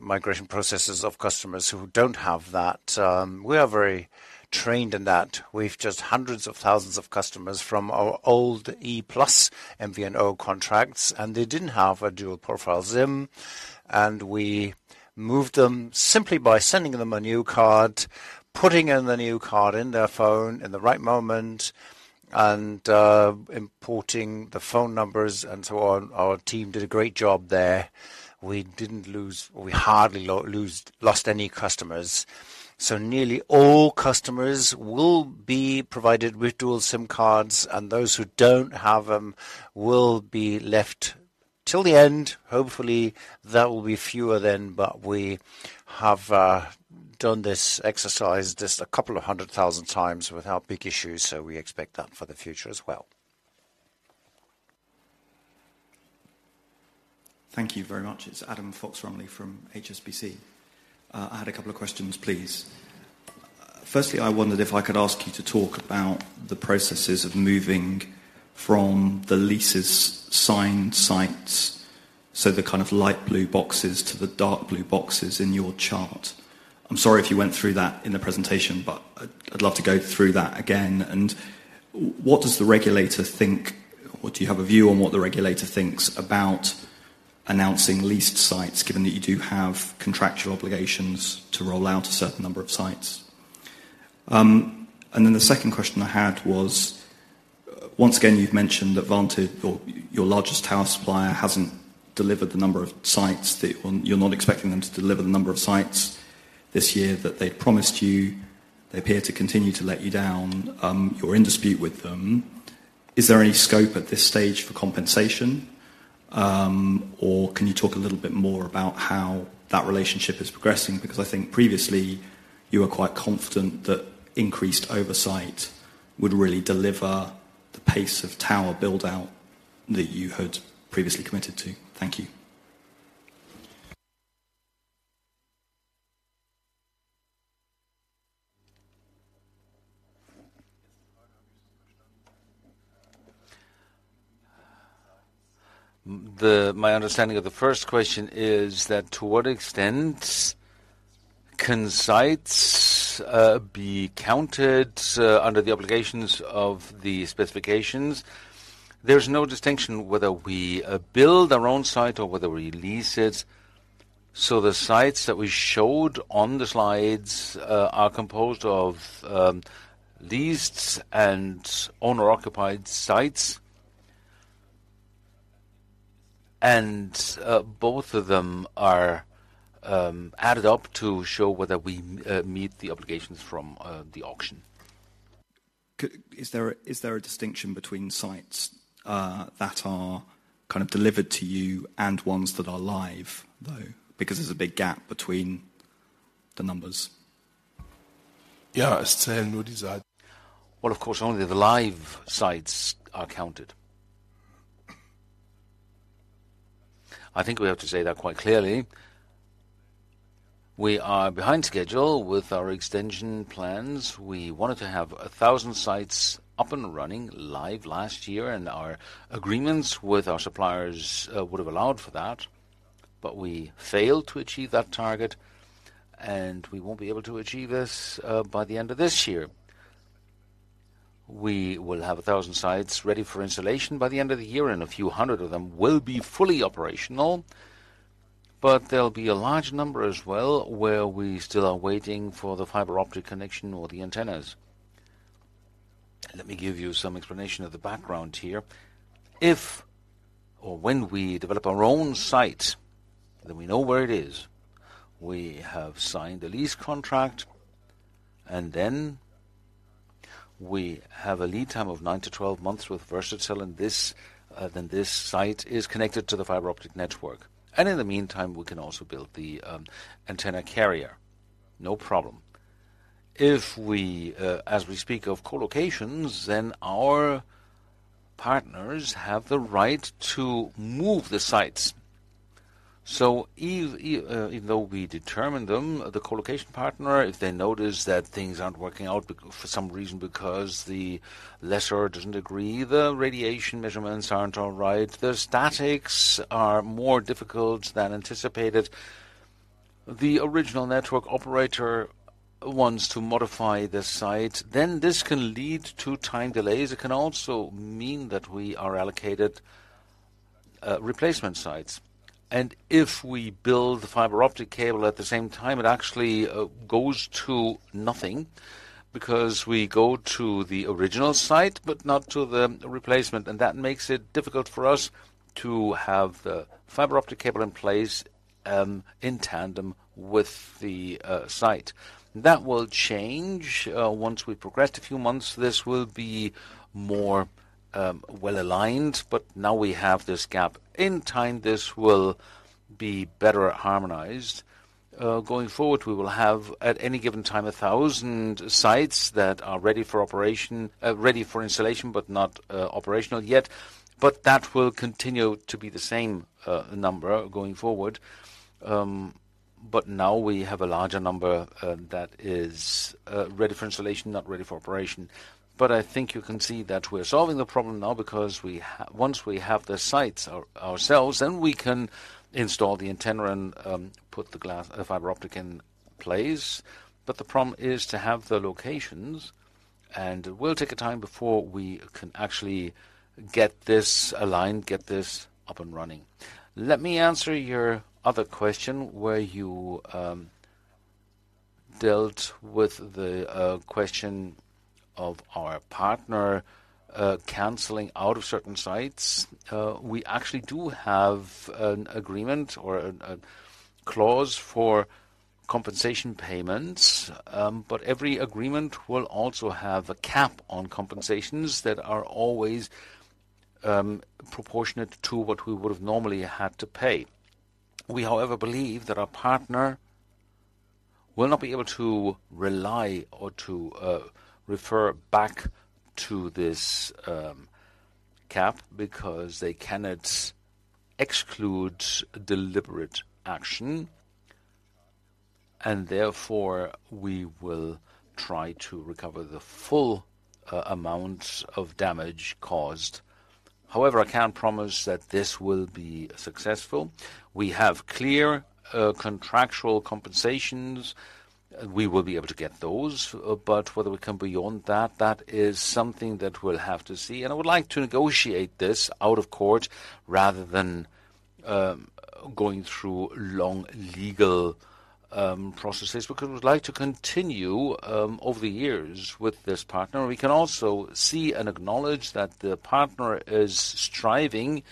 migration processes of customers who don't have that. We are very trained in that. We've just hundreds of thousands of customers from our old E-Plus MVNO contracts, and they didn't have a dual profile SIM, and we moved them simply by sending them a new card, putting in the new card in their phone in the right moment, and importing the phone numbers and so on. Our team did a great job there. We hardly lost any customers. Nearly all customers will be provided with dual SIM cards, and those who don't have them will be left till the end. Hopefully, that will be fewer then. We have done this exercise just a couple of hundred thousand times without big issues. We expect that for the future as well. Thank you very much. It's Adam Fox-Rumley from HSBC. I had a couple of questions, please. Firstly, I wondered if I could ask you to talk about the processes of moving from the leases signed sites, so the kind of light blue boxes to the dark blue boxes in your chart. I'm sorry if you went through that in the presentation, but I'd, I'd love to go through that again. What w- what does the regulator think, or do you have a view on what the regulator thinks about announcing leased sites, given that you do have contractual obligations to roll out a certain number of sites? Then the second question I had was, once again, you've mentioned that Vantage, or your largest tower supplier, hasn't delivered the number of sites that. You're not expecting them to deliver the number of sites this year that they'd promised you. They appear to continue to let you down. You're in dispute with them. Is there any scope at this stage for compensation? Can you talk a little bit more about how that relationship is progressing? Because I think previously, you were quite confident that increased oversight would really deliver the pace of tower build-out that you had previously committed to. Thank you. My understanding of the first question is that, to what extent can sites be counted under the obligations of the specifications? There's no distinction whether we build our own site or whether we lease it. The sites that we showed on the slides are composed of leased and owner-occupied sites. Both of them are added up to show whether we meet the obligations from the auction. Is there a distinction between sites that are kind of delivered to you and ones that are live, though? Because there's a big gap between the numbers. Yeah, Well, of course, only the live sites are counted. I think we have to say that quite clearly. We are behind schedule with our extension plans. We wanted to have 1,000 sites up and running live last year, and our agreements with our suppliers would have allowed for that, but we failed to achieve that target, and we won't be able to achieve this by the end of this year. We will have 1,000 sites ready for installation by the end of the year, and a few hundred of them will be fully operational, but there'll be a large number as well, where we still are waiting for the fiber optic connection or the antennas. Let me give you some explanation of the background here. If or when we develop our own site, then we know where it is. We have signed a lease contract, and then we have a lead time of nine to 12 months with Versatel, and this, then this site is connected to the fiber optic network. In the meantime, we can also build the antenna carrier, no problem. If we, as we speak of co-locations, then our partners have the right to move the sites. Even though we determine them, the colocation partner, if they notice that things aren't working out for some reason, because the lessor doesn't agree, the radiation measurements aren't all right, the statics are more difficult than anticipated. The original network operator wants to modify the site, then this can lead to time delays. It can also mean that we are allocated replacement sites. If we build the fiber optic cable at the same time, it actually goes to nothing because we go to the original site, but not to the replacement, and that makes it difficult for us to have the fiber optic cable in place in tandem with the site. That will change once we progressed a few months, this will be more well aligned, but now we have this gap. In time, this will be better harmonized. Going forward, we will have, at any given time, 1,000 sites that are ready for operation, ready for installation, but not operational yet. That will continue to be the same number going forward. Now we have a larger number that is ready for installation, not ready for operation. I think you can see that we're solving the problem now because we once we have the sites ourselves, then we can install the antenna and put the glass fiber optic in place. The problem is to have the locations, and it will take a time before we can actually get this aligned, get this up and running. Let me answer your other question, where you dealt with the question of our partner canceling out of certain sites. We actually do have an agreement or a clause for compensation payments, but every agreement will also have a cap on compensations that are always proportionate to what we would have normally had to pay. We, however, believe that our partner will not be able to rely or to refer back to this cap because they cannot exclude deliberate action, and therefore, we will try to recover the full amount of damage caused. However, I can't promise that this will be successful. We have clear contractual compensations, we will be able to get those, but whether we can beyond that, that is something that we'll have to see. I would like to negotiate this out of court rather than going through long legal processes, because we would like to continue over the years with this partner. We can also see and acknowledge that the partner is striving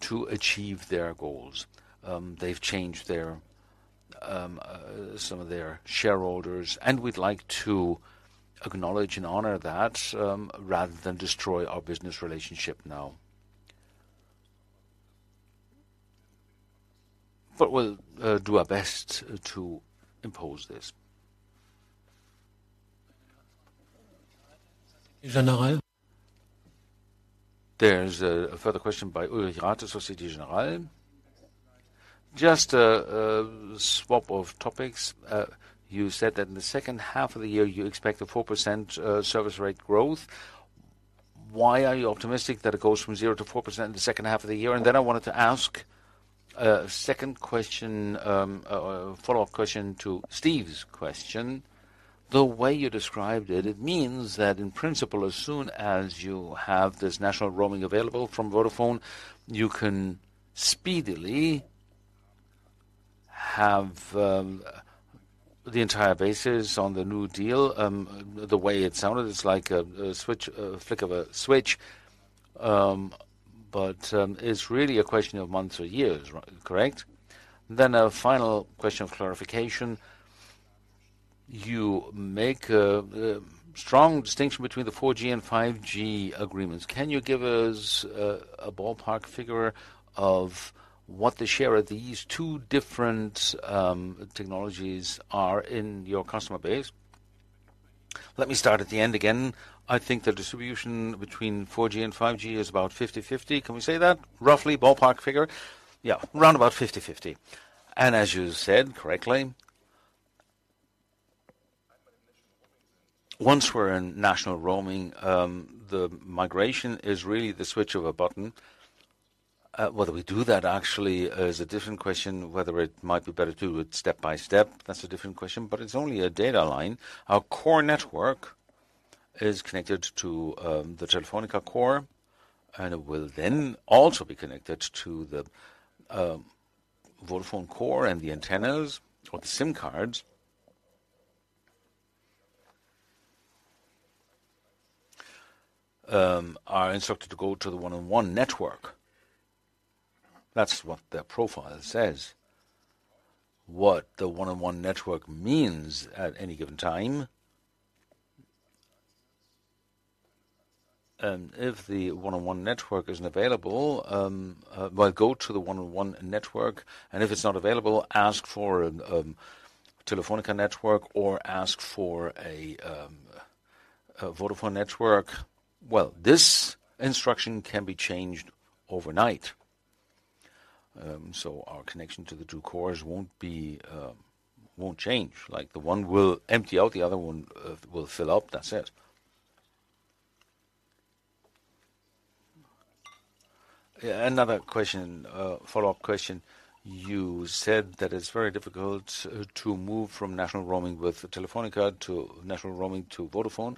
to achieve their goals. They've changed their some of their shareholders, we'd like to acknowledge and honor that rather than destroy our business relationship now. We'll do our best to impose this. There's a further question by Ulrich Ratte, Societe Generale. Just a swap of topics. You said that in the second half of the year, you expect a 4% service rate growth. Why are you optimistic that it goes from 0 to 4% in the second half of the year? Then I wanted to ask a second question, a follow-up question to Steve's question. The way you described it, it means that in principle, as soon as you have this national roaming available from Vodafone, you can speedily have the entire basis on the new deal. The way it sounded, it's like a, a switch, a flick of a switch. It's really a question of months or years, correct? A final question of clarification. You make a strong distinction between the 4G and 5G agreements. Can you give us a, a ballpark figure of what the share of these two different technologies are in your customer base? Let me start at the end again. I think the distribution between 4G and 5G is about 50/50. Can we say that? Roughly, ballpark figure. Round about 50/50. As you said, correctly, once we're in national roaming, the migration is really the switch of a button. Whether we do that actually is a different question, whether it might be better to do it step by step, that's a different question. It's only a data line. Our core network is connected to the Telefónica core, and it will then also be connected to the Vodafone core. The antennas or the SIM cards are instructed to go to the 1&1 network. That's what their profile says. What the 1&1 network means at any given time. If the 1&1 network isn't available, well, go to the 1&1 network, and if it's not available, ask for Telefónica network or ask for a Vodafone network. Well, this instruction can be changed overnight. Our connection to the two cores won't be, won't change. Like, the one will empty out, the other one will fill up. That's it. Yeah, another question, follow-up question. You said that it's very difficult to move from national roaming with Telefónica to national roaming to Vodafone,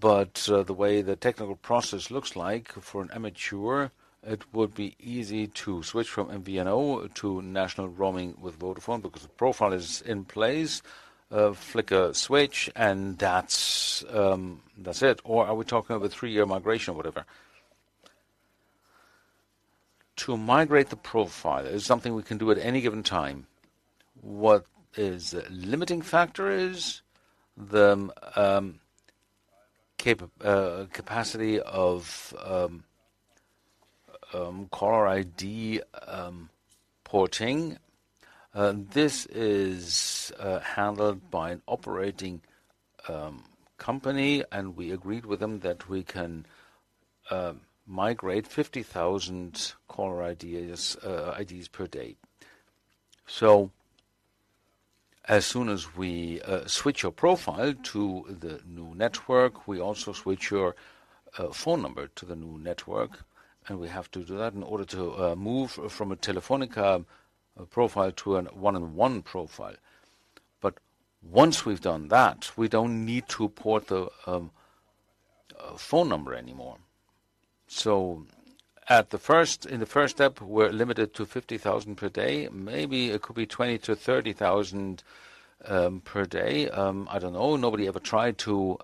the way the technical process looks like for an amateur, it would be easy to switch from MVNO to national roaming with Vodafone because the profile is in place. Flick a switch, and that's, that's it. Are we talking about a threev year migration or whatever? To migrate the profile is something we can do at any given time. What is limiting factor is the capacity of caller ID porting. This is handled by an operating company, and we agreed with them that we can migrate 50,000 caller IDs, IDs per day. As soon as we switch your profile to the new network, we also switch your phone number to the new network, and we have to do that in order to move from a Telefónica profile to a 1&1 profile. Once we've done that, we don't need to port the phone number anymore. In the first step, we're limited to 50,000 per day. Maybe it could be 20,000-30,000 per day. I don't know. Nobody ever tried to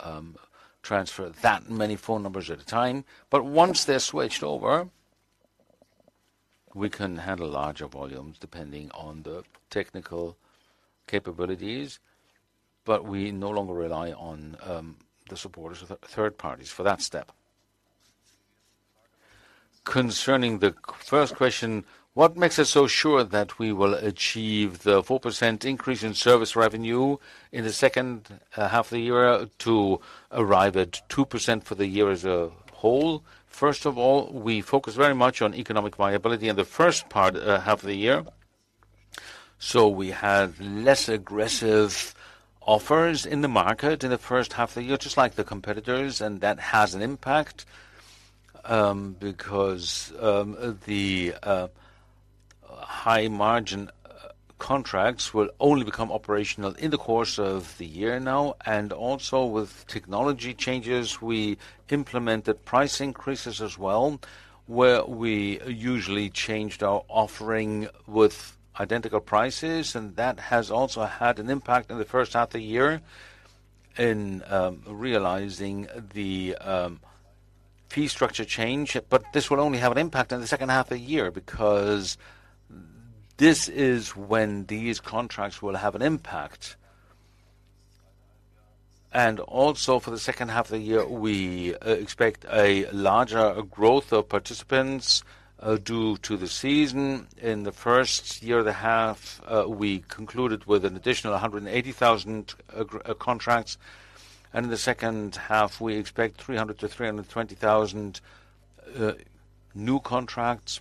transfer that many phone numbers at a time, but once they're switched over, we can handle larger volumes depending on the technical capabilities. We no longer rely on the supporters or the third parties for that step. Concerning the first question, what makes us so sure that we will achieve the 4% increase in service revenue in the second half of the year to arrive at 2% for the year as a whole? First of all, we focus very much on economic viability in the first half of the year. We have less aggressive offers in the market in the first half of the year, just like the competitors, and that has an impact because the high margin contracts will only become operational in the course of the year now, and also with technology changes, we implemented price increases as well, where we usually changed our offering with identical prices, and that has also had an impact in the first half of the year in realizing the fee structure change. This will only have an impact on the second half of the year because this is when these contracts will have an impact. Also for the second half of the year, we expect a larger growth of participants due to the season. In the first year of the half, we concluded with an additional 180,000 contracts, and in the second half, we expect 300,000-320,000 new contracts.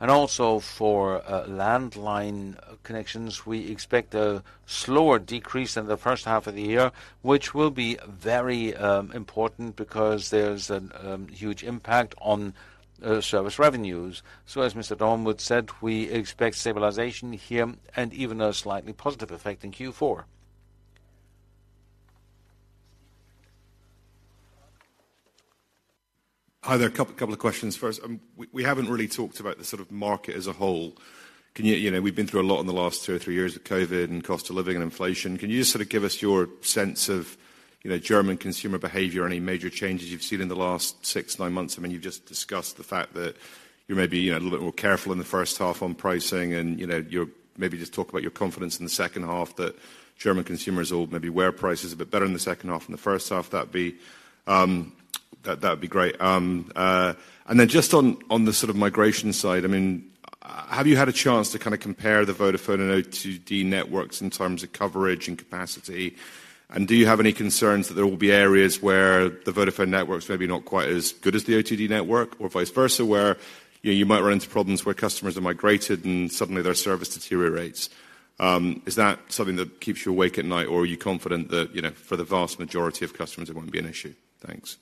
Also for landline connections, we expect a slower decrease in the first half of the year, which will be very important because there's a huge impact on service revenues. As Mr. Dommermuth said, we expect stabilization here and even a slightly positive effect in Q4. Hi, there. A couple of questions. First, we haven't really talked about the sort of market as a whole. Can you. You know, we've been through a lot in the last two or three years with COVID and cost of living and inflation. Can you just sort of give us your sense of, you know, German consumer behavior, any major changes you've seen in the last six, nine months? I mean, you've just discussed the fact that you may be, you know, a little bit more careful in the first half on pricing and, you know, you're maybe just talk about your confidence in the second half, that German consumers or maybe where price is a bit better in the second half than the first half. That'd be, that, that'd be great. Then just on, on the sort of migration side, Have you had a chance to kind of compare the Vodafone and O2D networks in terms of coverage and capacity? Do you have any concerns that there will be areas where the Vodafone network is maybe not quite as good as the O2D network, or vice versa, where, you know, you might run into problems where customers are migrated and suddenly their service deteriorates? Is that something that keeps you awake at night, or are you confident that, you know, for the vast majority of customers, it won't be an issue? Thanks.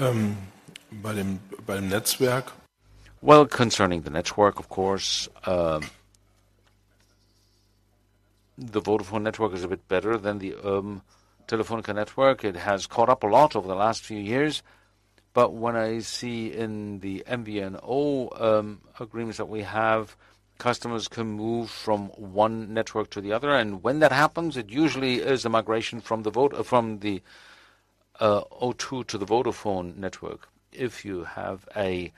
By the, by the network? Well, concerning the network, of course, the Vodafone network is a bit better than the Telefónica network. It has caught up a lot over the last few years. What I see in the MVNO agreements that we have, customers can move from one network to the other, and when that happens, it usually is a migration from the O2 to the Vodafone network. If you have a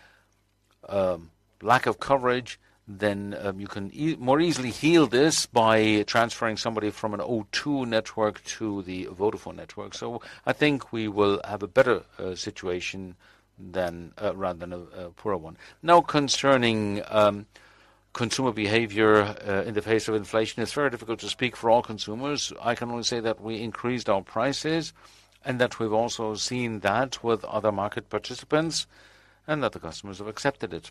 lack of coverage, then you can more easily heal this by transferring somebody from an O2 network to the Vodafone network. I think we will have a better situation than rather than a poorer one. Now, concerning consumer behavior in the face of inflation, it's very difficult to speak for all consumers. I can only say that we increased our prices, that we've also seen that with other market participants, that the customers have accepted it.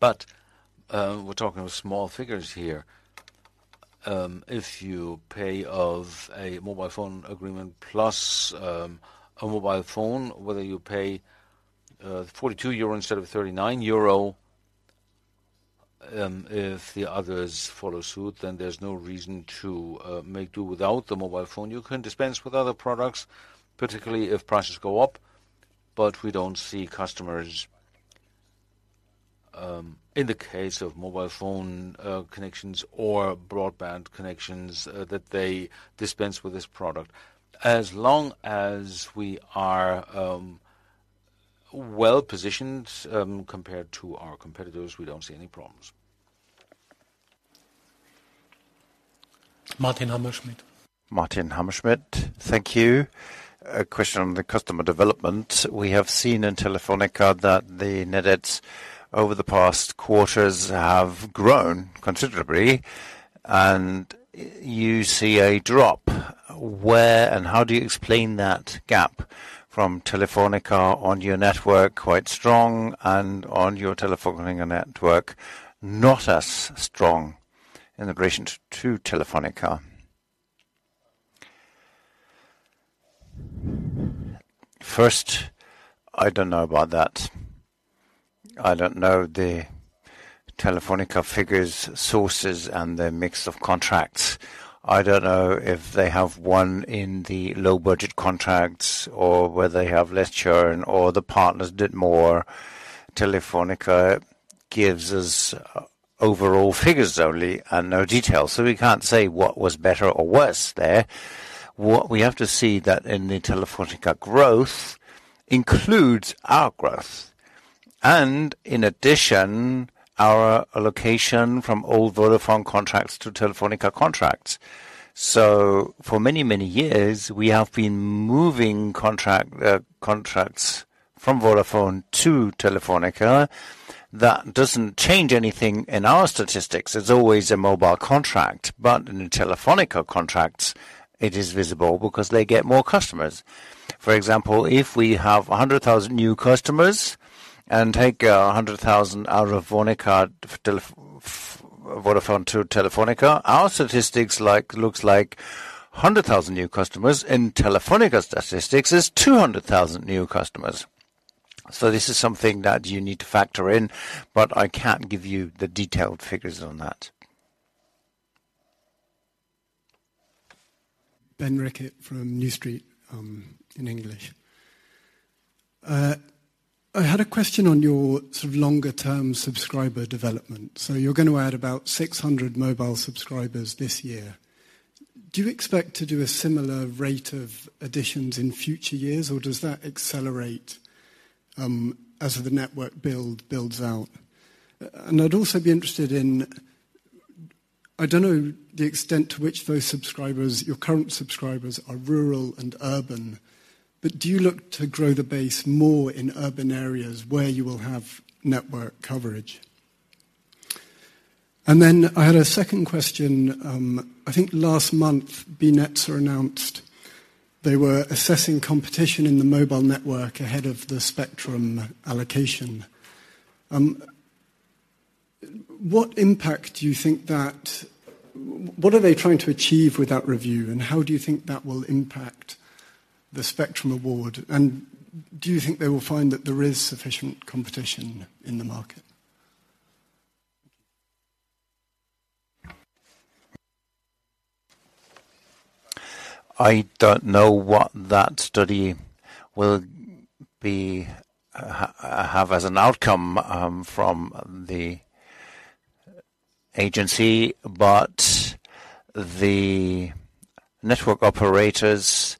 We're talking of small figures here. If you pay of a mobile phone agreement plus a mobile phone, whether you pay 42 euro instead of 39 euro, if the others follow suit, then there's no reason to make do without the mobile phone. You can dispense with other products, particularly if prices go up. We don't see customers in the case of mobile phone connections or broadband connections that they dispense with this product. As long as we are well positioned compared to our competitors, we don't see any problems. Martin Hammerschmidt. Thank you. A question on the customer development. We have seen in Telefónica that the net adds over the past quarters have grown considerably, and you see a drop. Where and how do you explain that gap from Telefónica on your network quite strong and on your Telefónica network, not as strong in relation to Telefónica? First, I don't know about that. I don't know the Telefónica figures, sources, and their mix of contracts. I don't know if they have won in the low-budget contracts, or whether they have less churn, or the partners did more. Telefónica gives us overall figures only and no details, so we can't say what was better or worse there. What we have to see that in the Telefónica growth includes our growth, and in addition, our allocation from old Vodafone contracts to Telefónica contracts. For many, many years, we have been moving contract contracts from Vodafone to Telefónica. That doesn't change anything in our statistics. There's always a mobile contract, but in the Telefónica contracts, it is visible because they get more customers. For example, if we have 100,000 new customers and take 100,000 out of Fonica to Telef Vodafone to Telefónica, our statistics looks like 100,000 new customers. In Telefónica's statistics, it's 200,000 new customers. This is something that you need to factor in, but I can't give you the detailed figures on that. Ben Rickett from New Street, in English. I had a question on your sort of longer-term subscriber development. You're gonna add about 600 mobile subscribers this year. Do you expect to do a similar rate of additions in future years, or does that accelerate as the network build, builds out? I'd also be interested in I don't know the extent to which those subscribers, your current subscribers, are rural and urban, but do you look to grow the base more in urban areas where you will have network coverage? I had a second question. I think last month, BNetza announced they were assessing competition in the mobile network ahead of the spectrum allocation. What impact do you think that what are they trying to achieve with that review, and how do you think that will impact the spectrum award? Do you think they will find that there is sufficient competition in the market? I don't know what that study will be, have as an outcome, from the agency, but the network operators,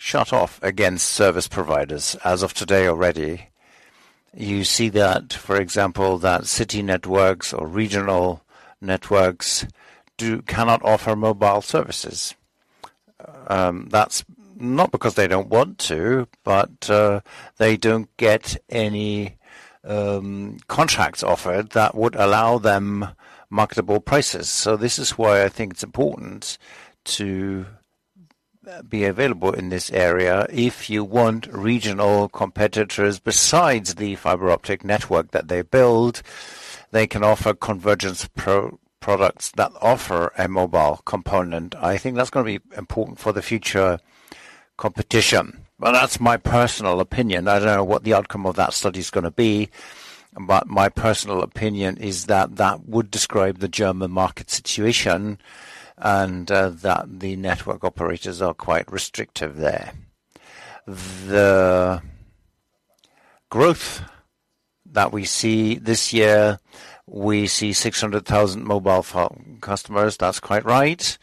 shut off against service providers as of today already. You see that, for example, that city networks or regional networks cannot offer mobile services. That's not because they don't want to, but they don't get any contracts offered that would allow them marketable prices. This is why I think it's important to be available in this area. If you want regional competitors besides the fiber optic network that they build, they can offer convergence products that offer a mobile component. I think that's gonna be important for the future competition. Well, that's my personal opinion. I don't know what the outcome of that study is gonna be, but my personal opinion is that that would describe the German market situation, and that the network operators are quite restrictive there. The growth that we see this year, we see 600,000 mobile phone customers. That's quite right.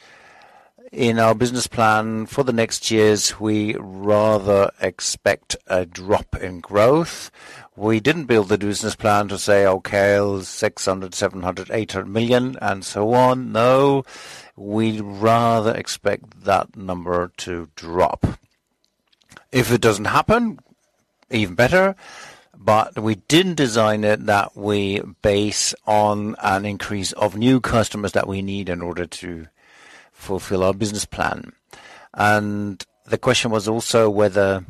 In our business plan for the next years, we rather expect a drop in growth. We didn't build the business plan to say, "Okay, 600 million, 700 million, 800 million, and so on." No, we'd rather expect that number to drop. If it doesn't happen, even better, but we didn't design it that we base on an increase of new customers that we need in order to fulfill our business plan. The question was also whether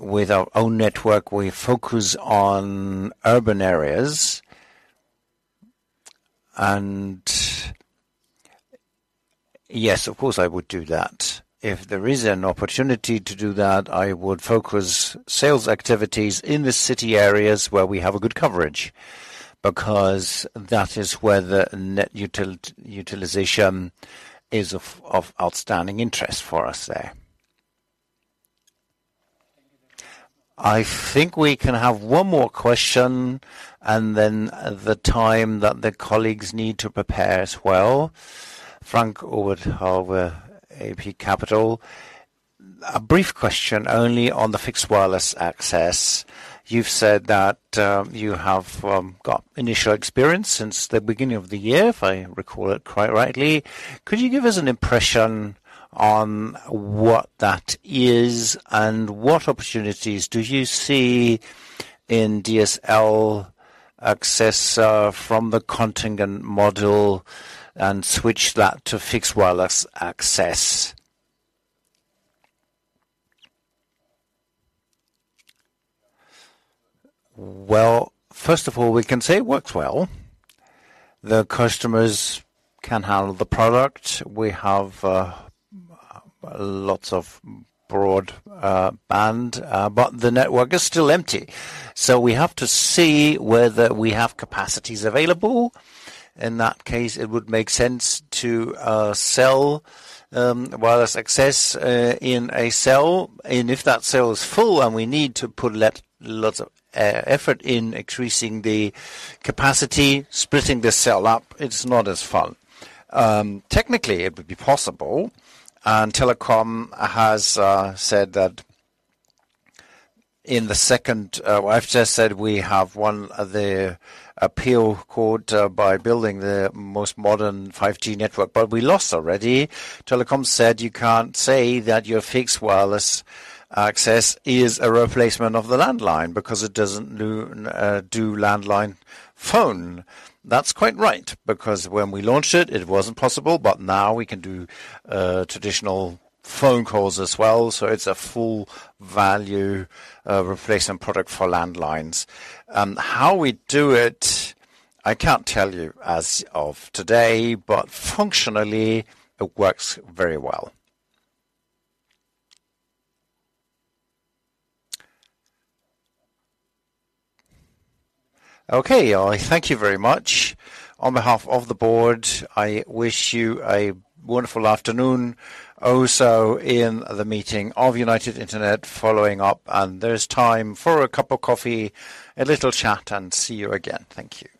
with our own network, we focus on urban areas. Yes, of course, I would do that. If there is an opportunity to do that, I would focus sales activities in the city areas where we have a good coverage, because that is where the net utilization is of, of outstanding interest for us there. I think we can have one more question, and then the time that the colleagues need to prepare as well. Frank Gaisano of AB Capital. A brief question only on the Fixed Wireless Access. You've said that you have got initial experience since the beginning of the year, if I recall it quite rightly. Could you give us an impression on what that is, and what opportunities do you see in DSL access from the contingent model and switch that to Fixed Wireless Access? Well, first of all, we can say it works well. The customers can handle the product. We have lots of broadband, but the network is still empty, so we have to see whether we have capacities available. In that case, it would make sense to sell wireless access in a cell, and if that cell is full and we need to put lots of effort in increasing the capacity, splitting the cell up, it's not as fun. Technically, it would be possible. Deutsche Telekom has said that in the second I've just said we have won the appeal court by building the most modern 5G network, but we lost already. Deutsche Telekom said, "You can't say that your fixed wireless access is a replacement of the landline, because it doesn't do landline phone." That's quite right, because when we launched it, it wasn't possible, but now we can do traditional phone calls as well, so it's a full value replacement product for landlines. How we do it, I can't tell you as of today, but functionally, it works very well. Okay, I thank you very much. On behalf of the board, I wish you a wonderful afternoon, also in the meeting of United Internet following up, and there's time for a cup of coffee, a little chat, and see you again. Thank you.